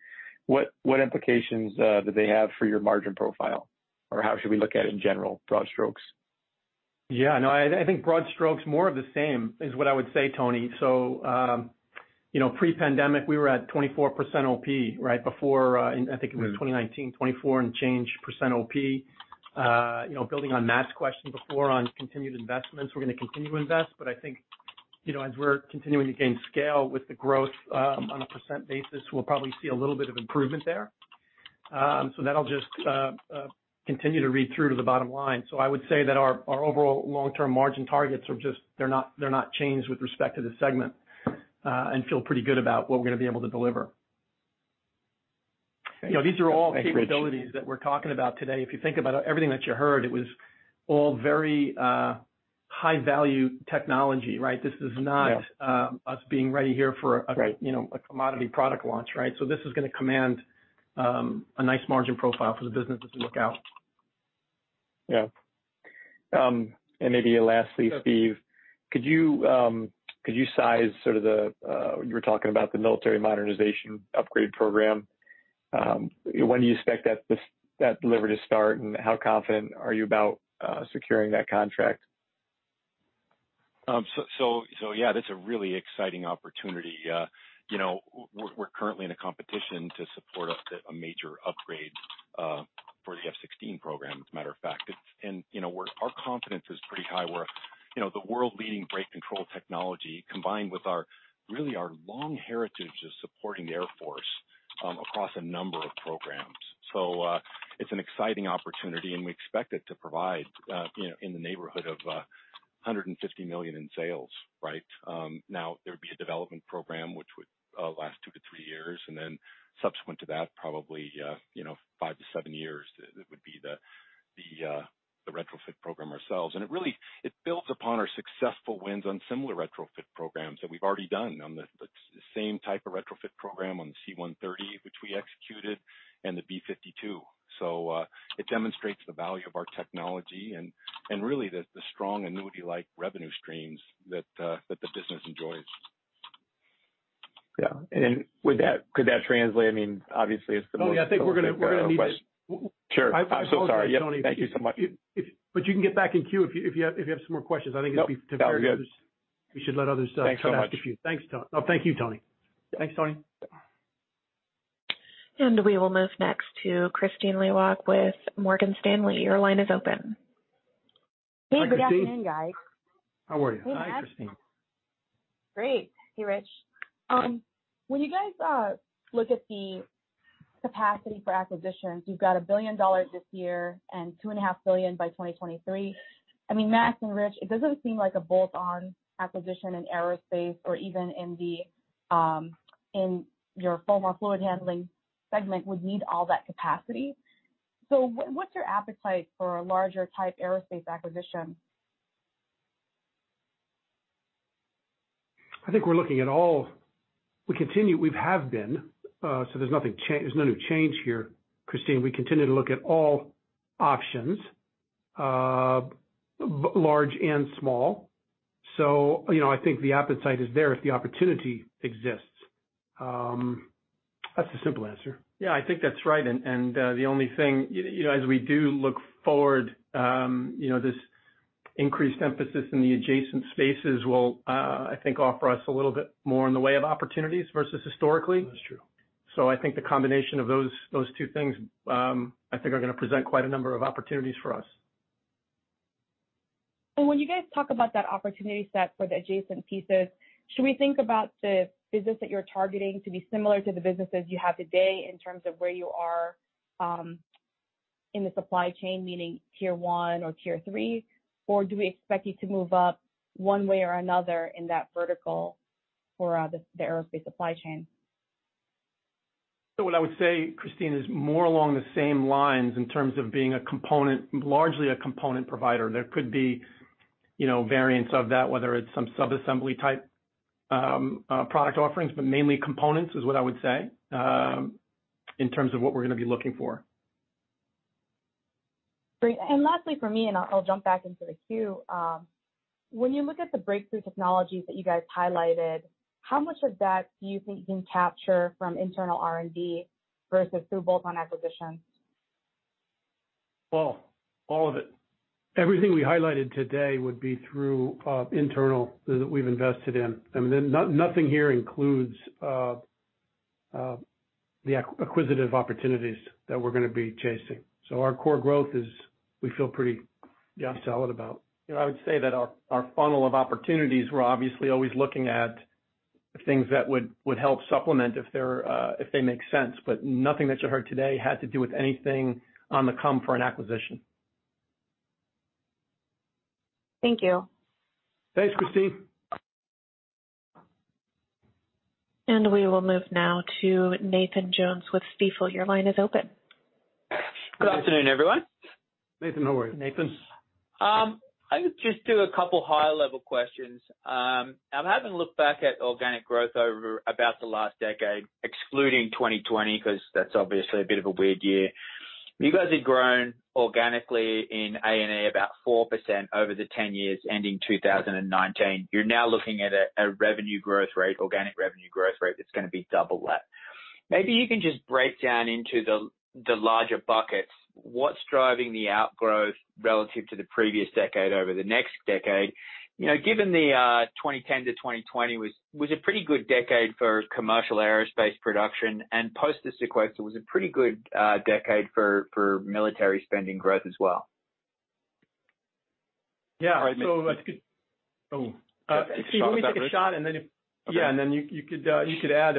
What implications do they have for your margin profile? How should we look at it in general, broad strokes? Yeah, no, I think broad strokes, more of the same is what I would say, Tony. Pre-pandemic, we were at 24% OP, right before, I think it was 2019, 24% change percent OP. Building on Max's question before on continued investments, we're going to continue to invest, but I think as we're continuing to gain scale with the growth on a percent basis, we'll probably see a little bit of improvement there. That'll just continue to read through to the bottom line. I would say that our overall long-term margin targets are just, they're not changed with respect to the segment, and feel pretty good about what we're going to be able to deliver. These are all capabilities that we're talking about today. If you think about everything that you heard, it was all very high-value technology, right? This is not us being ready here for a commodity product launch, right? This is going to command a nice margin profile for the business as we look out. Yeah. Maybe lastly, Steve, you were talking about the military modernization upgrade program. When do you expect that delivery to start, and how confident are you about securing that contract? Yeah, that's a really exciting opportunity. We're currently in a competition to support a major upgrade for the F-16 program, as a matter of fact. Our confidence is pretty high. We're the world-leading brake control technology, combined with really our long heritage of supporting the Air Force across a number of programs. It's an exciting opportunity, and we expect it to provide in the neighborhood of $150 million in sales. Right. Now, there'd be a development program which would last two to three years, and then subsequent to that, probably five to seven years, it would be the retrofit program ourselves. It really builds upon our successful wins on similar retrofit programs that we've already done on the same type of retrofit program on the C-130, which we executed, and the B-52. It demonstrates the value of our technology and really the strong annuity-like revenue streams that the business enjoys. Yeah. Could that translate, I mean, obviously it's. Well, yeah, I think we're going to- Sure. I'm so sorry, Tony. Thank you so much. You can get back in queue if you have some more questions. I think that'd be fabulous. Sounds good. We should let other stuff. Thanks so much. Thanks, Tony. No, thank you, Tony. Thanks, Tony. We will move next to Kristine Liwag with Morgan Stanley. Your line is open. Good afternoon, guys. How are you, Kristine? Great. Hey, Rich. When you guys look at the capacity for acquisitions, you've got $1 billion this year and $2.5 billion by 2023. I mean, mathematically, Rich, it doesn't seem like a bolt-on acquisition in aerospace or even in your thermal fluid handling segment would need all that capacity. What's your appetite for a larger type aerospace acquisition? I think we're looking at all. We have been, there's no new change here, Kristine. We continue to look at all options, large and small. I think the appetite is there if the opportunity exists. That's the simple answer. Yeah, I think that's right. The only thing, as we do look forward, this increased emphasis in the adjacent spaces will, I think, offer us a little bit more in the way of opportunities versus historically. That's true. I think the combination of those two things, I think, are going to present quite a number of opportunities for us. When you guys talk about that opportunity set for the adjacent pieces, should we think about the business that you're targeting to be similar to the businesses you have today in terms of where you are in the supply chain, meaning Tier 1 or Tier 3? Do we expect you to move up one way or another in that vertical for the aerospace supply chain? What I would say, Kristine, is more along the same lines in terms of being largely a component provider. There could be variants of that, whether it's some sub-assembly type product offerings, but mainly components is what I would say, in terms of what we're going to be looking for. Great. Lastly from me, I'll jump back into the queue. When you look at the breakthrough technologies that you guys highlighted, how much of that do you think you can capture from internal R&D versus through bolt-on acquisitions? Well, all of it. Everything we highlighted today would be through internal that we've invested in. I mean, nothing here includes the acquisitive opportunities that we're going to be chasing. Our core growth is, we feel pretty solid about. I would say that our funnel of opportunities, we're obviously always looking at things that would help supplement if they make sense, but nothing that you heard today had to do with anything on the come for an acquisition. Thank you. Thanks, Kristine. We will move now to Nathan Jones with Stifel. Your line is open. Good afternoon, everyone. Nathan, how are you? Nathan. I could just do a couple high-level questions. I'm having a look back at organic growth over about the last decade, excluding 2020, because that's obviously a bit of a weird year. You guys have grown organically in A&E about 4% over the 10 years ending 2019. You're now looking at a revenue growth rate, organic revenue growth rate, that's going to be double that. Maybe you can just break down into the larger buckets what's driving the outgrowth relative to the previous decade over the next decade. Given the 2010 to 2020 was a pretty good decade for commercial aerospace production, post this equation was a pretty good decade for military spending growth as well. Yeah. Oh. I'll give it a shot, and then you could add.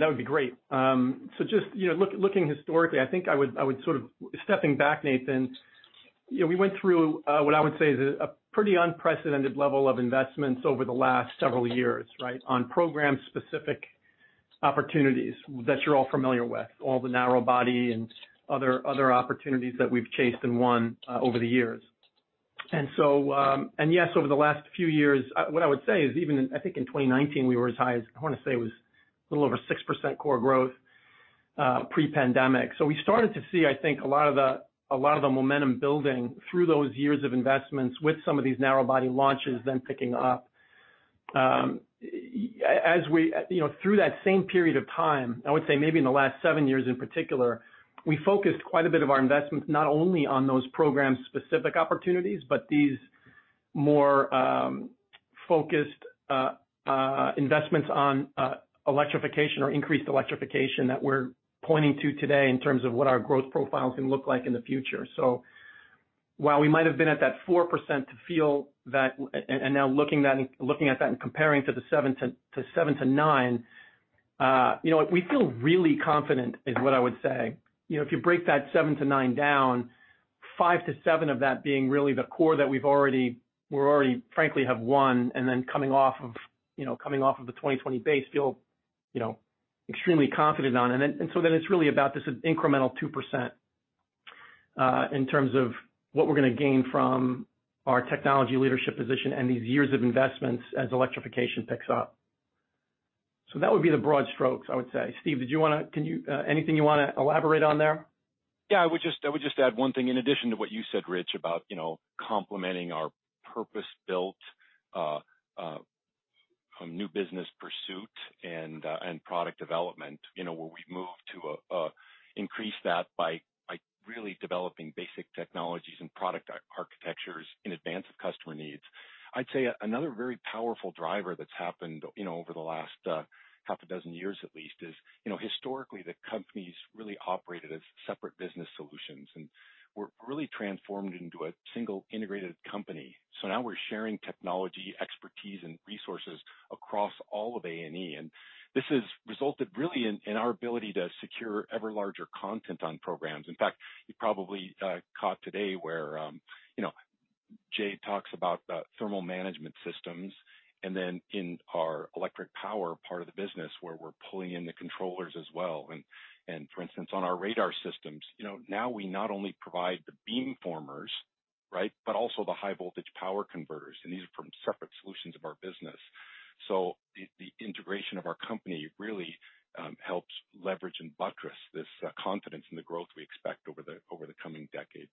That would be great. Just looking historically, I think I would sort of stepping back, Nathan, we went through what I would say is a pretty unprecedented level of investments over the last several years, right? On program-specific opportunities that you're all familiar with, all the narrow body and other opportunities that we've chased and won over the years. Yes, over the last few years, what I would say is even, I think in 2019, we were as high as, I want to say it was a little over 6% core growth pre-pandemic. We started to see, I think, a lot of the momentum building through those years of investments with some of these narrow-body launches then picking up. Through that same period of time, I would say maybe in the last seven years in particular, we focused quite a bit of our investments, not only on those program-specific opportunities, but these more focused investments on electrification or increased electrification that we're pointing to today in terms of what our growth profile can look like in the future. While we might have been at that 4%, and now looking at that and comparing to the 7%-9%, we feel really confident is what I would say. If you break that 7%-9% down, 5% to 7% of that being really the core that we already frankly have won, and then coming off of the 2020 base, feel extremely confident on. It's really about this incremental 2% in terms of what we're going to gain from our technology leadership position and these years of investments as electrification picks up. That would be the broad strokes, I would say. Steve, anything you want to elaborate on there? I would just add one thing in addition to what you said, Rich, about complementing our purpose-built new business pursuit and product development where we've moved to increase that by really developing basic technologies and product architectures in advance of customer needs. I'd say another very powerful driver that's happened over the last six years at least is, historically, the companies really operated as separate business solutions, and we're really transformed into a single integrated company. Now we're sharing technology, expertise, and resources across all of Aerospace & Electronics, and this has resulted really in our ability to secure ever larger content on programs. In fact, you probably caught today where Jay talks about Thermal Management Systems, and then in our electric power part of the business where we're pulling in the controllers as well. For instance, on our radar systems, now we not only provide the beam formers, but also the high voltage power converters, and these are from separate solutions of our business. The integration of our company really helps leverage and buttress this confidence in the growth we expect over the coming decade.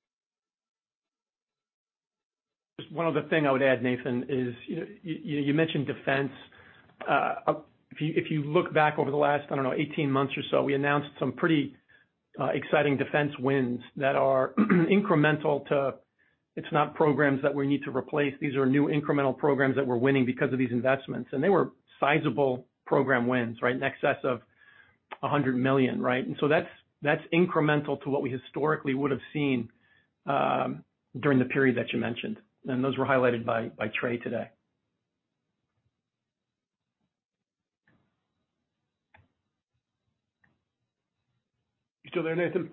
Just one other thing I would add, Nathan, is you mentioned defense. If you look back over the last, I don't know, 18 months or so, we announced some pretty exciting defense wins that are incremental. It's not programs that we need to replace. These are new incremental programs that we're winning because of these investments. They were sizable program wins, in excess of $100 million. That's incremental to what we historically would have seen during the period that you mentioned. Those were highlighted by Trey today. You still there, Nathan?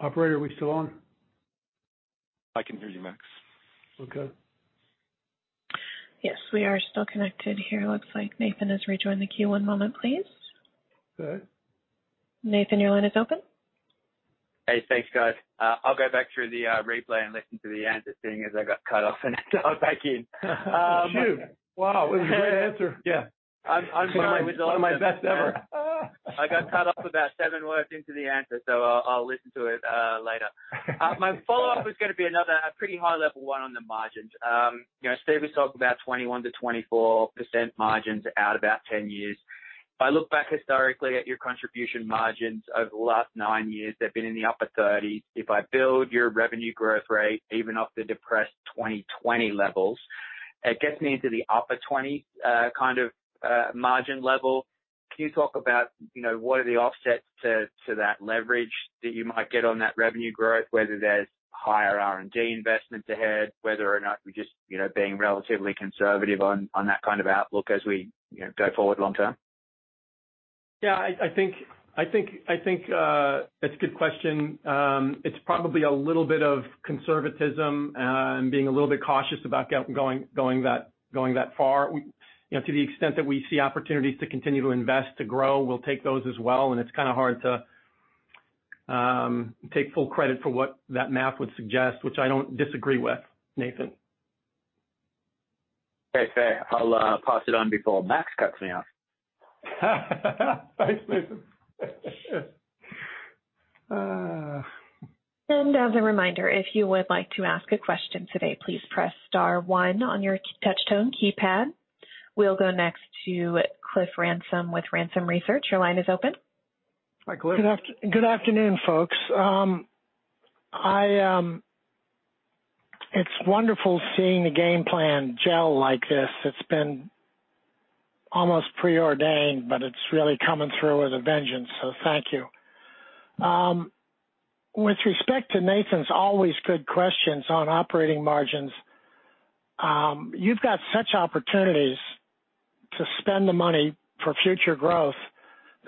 Operator, are we still on? I can hear you, Max. Okay. Yes, we are still connected here. Looks like Nathan has rejoined the queue. One moment, please. Go ahead. Nathan, your line is open. Hey, thanks, guys. I'll go back through the replay and listen to the answer, seeing as I got cut off and now I'm back in. Shoot. Wow. It was a great answer. Yeah. I'm fine with- One of my best ever. I got cut off about seven words into the answer, so I'll listen to it later. My follow-up is going to be another pretty high level one on the margins. Steve, you talked about 21%-24% margins out about 10 years. If I look back historically at your contribution margins over the last nine years, they've been in the upper 30s. If I build your revenue growth rate, even off the depressed 2020 levels, it gets me into the upper 20 kind of margin level. Can you talk about what are the offsets to that leverage that you might get on that revenue growth, whether there's higher R&D investment ahead, whether or not we're just being relatively conservative on that kind of outlook as we go forward long term? I think that's a good question. It's probably a little bit of conservatism and being a little bit cautious about going that far. To the extent that we see opportunities to continue to invest, to grow, we'll take those as well. It's kind of hard to take full credit for what that math would suggest, which I don't disagree with, Nathan. Okay. I'll pass it on before Max cuts me off. Thanks, Nathan. As a reminder, if you would like to ask a question today, please press star one on your touch tone keypad. We'll go next to Cliff Ransom with Ransom Research. Your line is open. Hi, Cliff. Good afternoon, folks. It's wonderful seeing the game plan gel like this. It's been almost preordained, it's really coming through with a vengeance, thank you. With respect to Nathan's always good questions on operating margins, you've got such opportunities to spend the money for future growth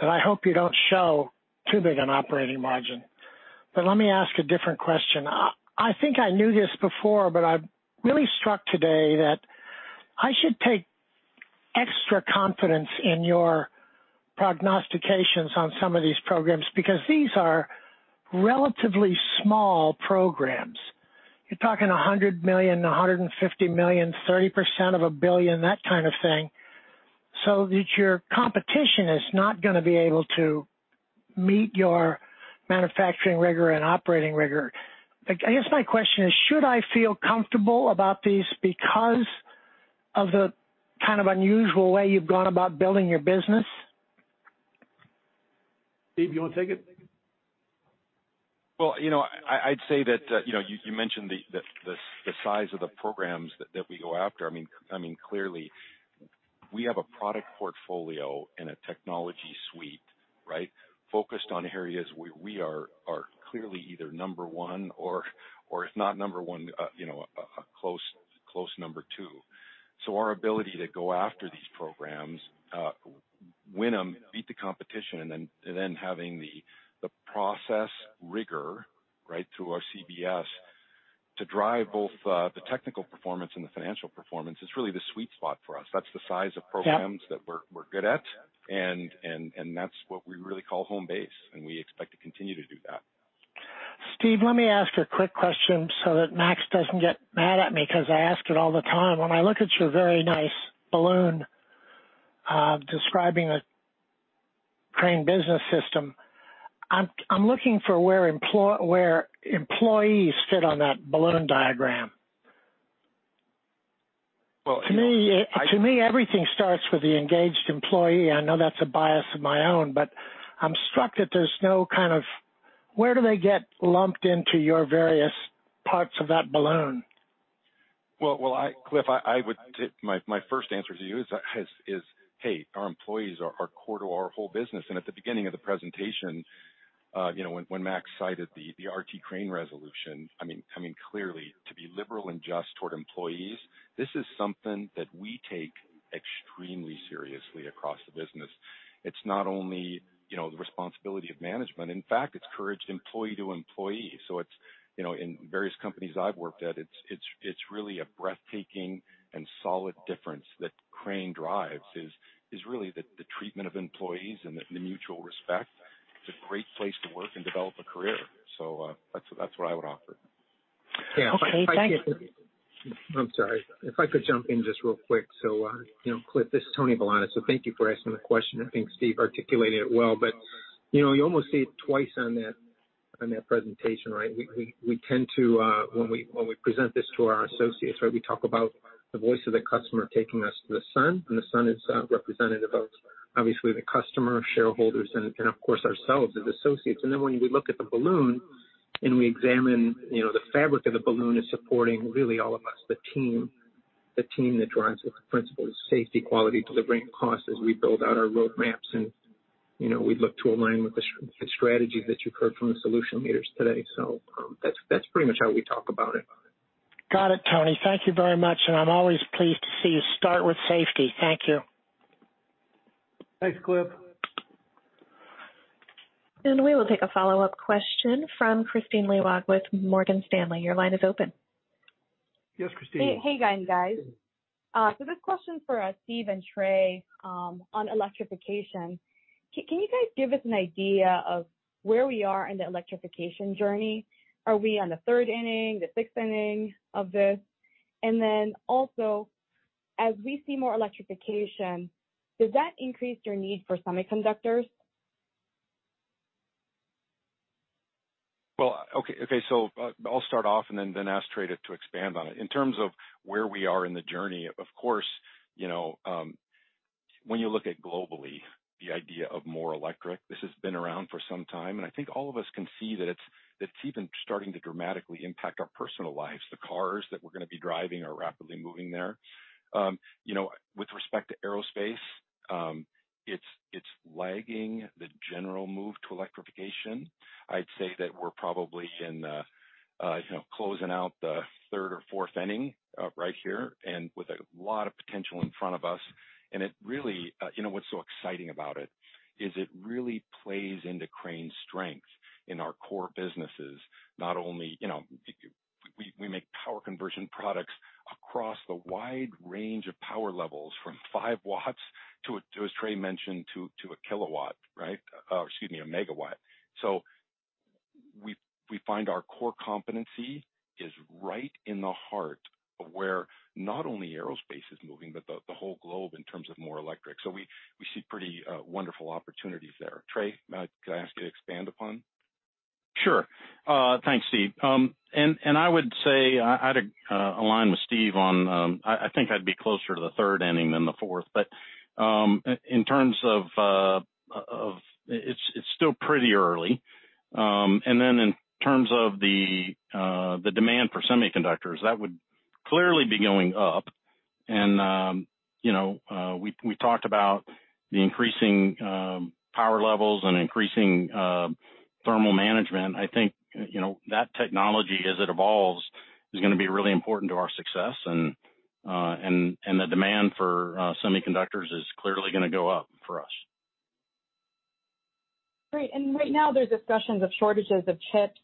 that I hope you don't show too big an operating margin. Let me ask a different question. I think I knew this before, I'm really struck today that I should take-Extra confidence in your prognostications on some of these programs, because these are relatively small programs. You're talking $100 million, $150 million, 30% of $1 billion, that kind of thing, your competition is not going to be able to meet your manufacturing rigor and operating rigor. I guess my question is, should I feel comfortable about these because of the kind of unusual way you've gone about building your business? Steve, you want to take it? Well, I'd say that you mentioned the size of the programs that we go after. Clearly, we have a product portfolio and a technology suite focused on areas where we are clearly either number one or if not number one, a close number two. Our ability to go after these programs, win them, beat the competition, and then having the process rigor through our CBS to drive both the technical performance and the financial performance is really the sweet spot for us. That's the size of programs that we're good at, and that's what we really call home base, and we expect to continue to do that. Steve, let me ask a quick question so that Max doesn't get mad at me because I ask it all the time. When I look at your very nice balloon describing a Crane Business System, I'm looking for where employees fit on that balloon diagram. Well, yeah. To me, everything starts with the engaged employee. I know that's a bias of my own, but I'm struck that there's no kind of. Where do they get lumped into your various parts of that balloon? Cliff, my first answer to you is, hey, our employees are core to our whole business. At the beginning of the presentation when Max cited the R.T. Crane resolution, clearly to be liberal and just toward employees, this is something that we take extremely seriously across the business. It's not only the responsibility of management. In fact, it's encouraged employee to employee. In various companies I've worked at, it's really a breathtaking and solid difference that Crane drives is really the treatment of employees and the mutual respect. It's a great place to work and develop a career. That's what I would offer. Yeah. I'm sorry. If I could jump in just real quick. Cliff, this is Tony Velotta. Thank you for asking the question. I think Steve articulated it well, but you almost say it twice on that presentation. When we present this to our associates, we talk about the voice of the customer taking us to the sun, and the sun is representative of obviously the customer, shareholders, and of course, ourselves as associates. When we look at the balloon and we examine the fabric of the balloon is supporting really all of us, the team that drives the principles of safety, quality, delivery, and cost as we build out our roadmaps and we look to align with the strategy that you heard from the solution leaders today. That's pretty much how we talk about it. Got it, Tony. Thank you very much. I'm always pleased to see you start with safety. Thank you. Thanks, Cliff. We will take a follow-up question from Kristine Liwag with Morgan Stanley. Your line is open. Yes, Kristine. Hey, guys. This question is for Steve and Trey on electrification. Can you guys give us an idea of where we are in the electrification journey? Are we on the third inning, the sixth inning of this? Also, as we see more electrification, does that increase your need for semiconductors? I'll start off and then ask Trey to expand on it. In terms of where we are in the journey, of course, when you look at globally the idea of more electric, this has been around for some time, and I think all of us can see that it's even starting to dramatically impact our personal lives. The cars that we're going to be driving are rapidly moving there. With respect to aerospace, it's lagging the general move to electrification. I'd say that we're probably closing out the third or fourth inning right here and with a lot of potential in front of us. What's so exciting about it is it really plays into Crane's strength in our core businesses. We make power conversion products across a wide range of power levels from five watts, to, as Trey mentioned, to a kilowatt. Excuse me, a megawatt. We find our core competency is right in the heart of where not only aerospace is moving, but the whole globe in terms of more electric. We see pretty wonderful opportunities there. Trey, can I ask you to expand upon? Sure. Thanks, Steve. I would say I'd align with Steve on, I think I'd be closer to the third inning than the fourth. In terms of it's still pretty early. In terms of the demand for semiconductors, that would clearly be going up. We talked about the increasing power levels and increasing thermal management. I think that technology, as it evolves, is going to be really important to our success, and the demand for semiconductors is clearly going to go up for us. Great. Right now there's discussions of shortages of chips.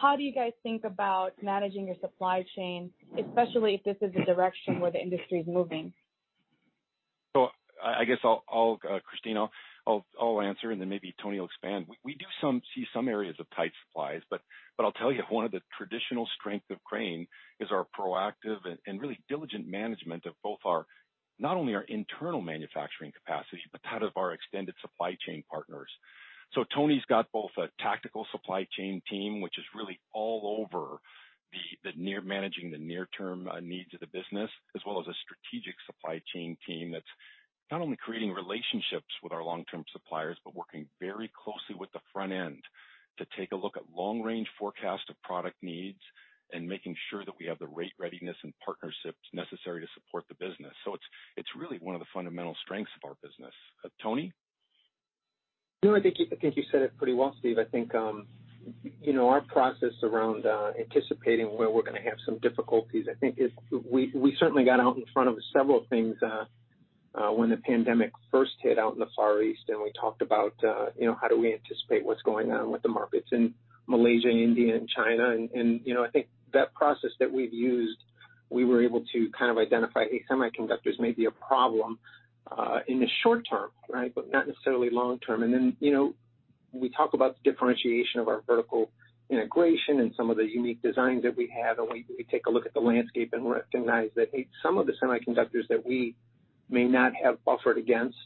How do you guys think about managing your supply chain, especially if this is the direction where the industry is moving? I guess, Kristine Liwag, I'll answer and then maybe Tony Velotta will expand. We do see some areas of tight supplies, but I'll tell you, one of the traditional strengths of Crane is our proactive and really diligent management of both our, not only our internal manufacturing capacity but that of our extended supply chain partners. Tony got both a tactical supply chain team, which is really all over managing the near-term needs of the business, as well as a strategic supply chain team that's not only creating relationships with our long-term suppliers, but working very closely with the front end to take a look at long-range forecasts of product needs and making sure that we have the right readiness and partnerships necessary to support the business. It's really one of the fundamental strengths of our business. Tony? No, I think you said it pretty well, Steve. Our process around anticipating where we're going to have some difficulties, I think we certainly got out in front of several things when the pandemic first hit out in the Far East and we talked about how do we anticipate what's going on with the markets in Malaysia, India, and China. That process that we've used, we were able to kind of identify, hey, semiconductors may be a problem, in the short term, right, but not necessarily long term. We talk about differentiation of our vertical integration and some of the unique designs that we have, and we take a look at the landscape and recognize that some of the semiconductors that we may not have buffered against,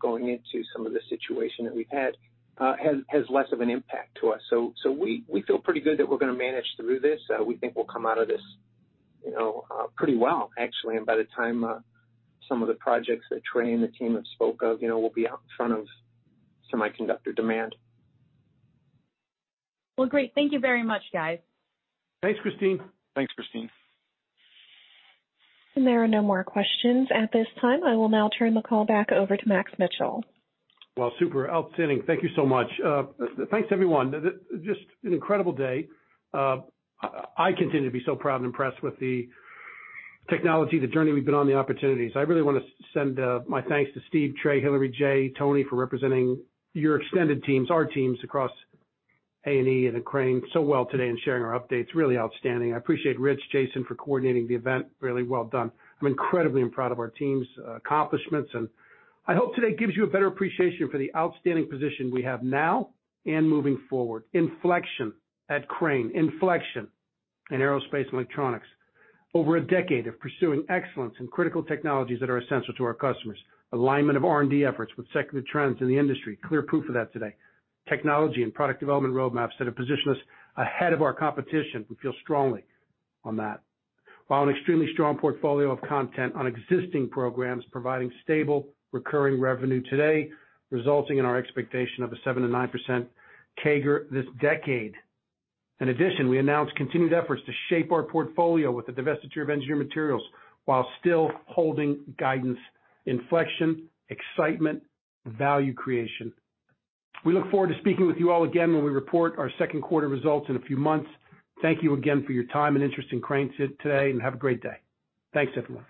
going into some of the situation that we've had, has less of an impact to us. We feel pretty good that we're going to manage through this. We think we'll come out of this pretty well actually, by the time some of the projects that Trey and the team have spoke of will be out in front of semiconductor demand. Well, great. Thank you very much, guys. Thanks, Kristine. Thanks, Kristine. There are no more questions at this time. I will now turn the call back over to Max Mitchell. Well, super outstanding. Thank you so much. Thanks, everyone. Just an incredible day. I continue to be so proud and impressed with the technology, the journey we've been on, the opportunities. I really want to send my thanks to Steve Zimmerman, Trey Endt, Hilary King, Jay Higgs, Tony, for representing your extended teams, our teams across A&E and Crane so well today and sharing our updates. Really outstanding. I appreciate Rich Maue, Jason D. Feldman for coordinating the event really well done. I'm incredibly proud of our team's accomplishments. I hope today gives you a better appreciation for the outstanding position we have now and moving forward. Inflection at Crane, inflection in Aerospace & Electronics. Over a decade of pursuing excellence in critical technologies that are essential to our customers. Alignment of R&D efforts with secular trends in the industry, clear proof of that today. Technology and product development roadmaps that have positioned us ahead of our competition. We feel strongly on that. While an extremely strong portfolio of content on existing programs providing stable recurring revenue today, resulting in our expectation of a 7%-9% CAGR this decade. In addition, we announced continued efforts to shape our portfolio with the divestiture of Engineered Materials while still holding guidance, inflection, excitement, value creation. We look forward to speaking with you all again when we report our second quarter results in a few months. Thank you again for your time and interest in Crane Company today, and have a great day. Thanks, everyone.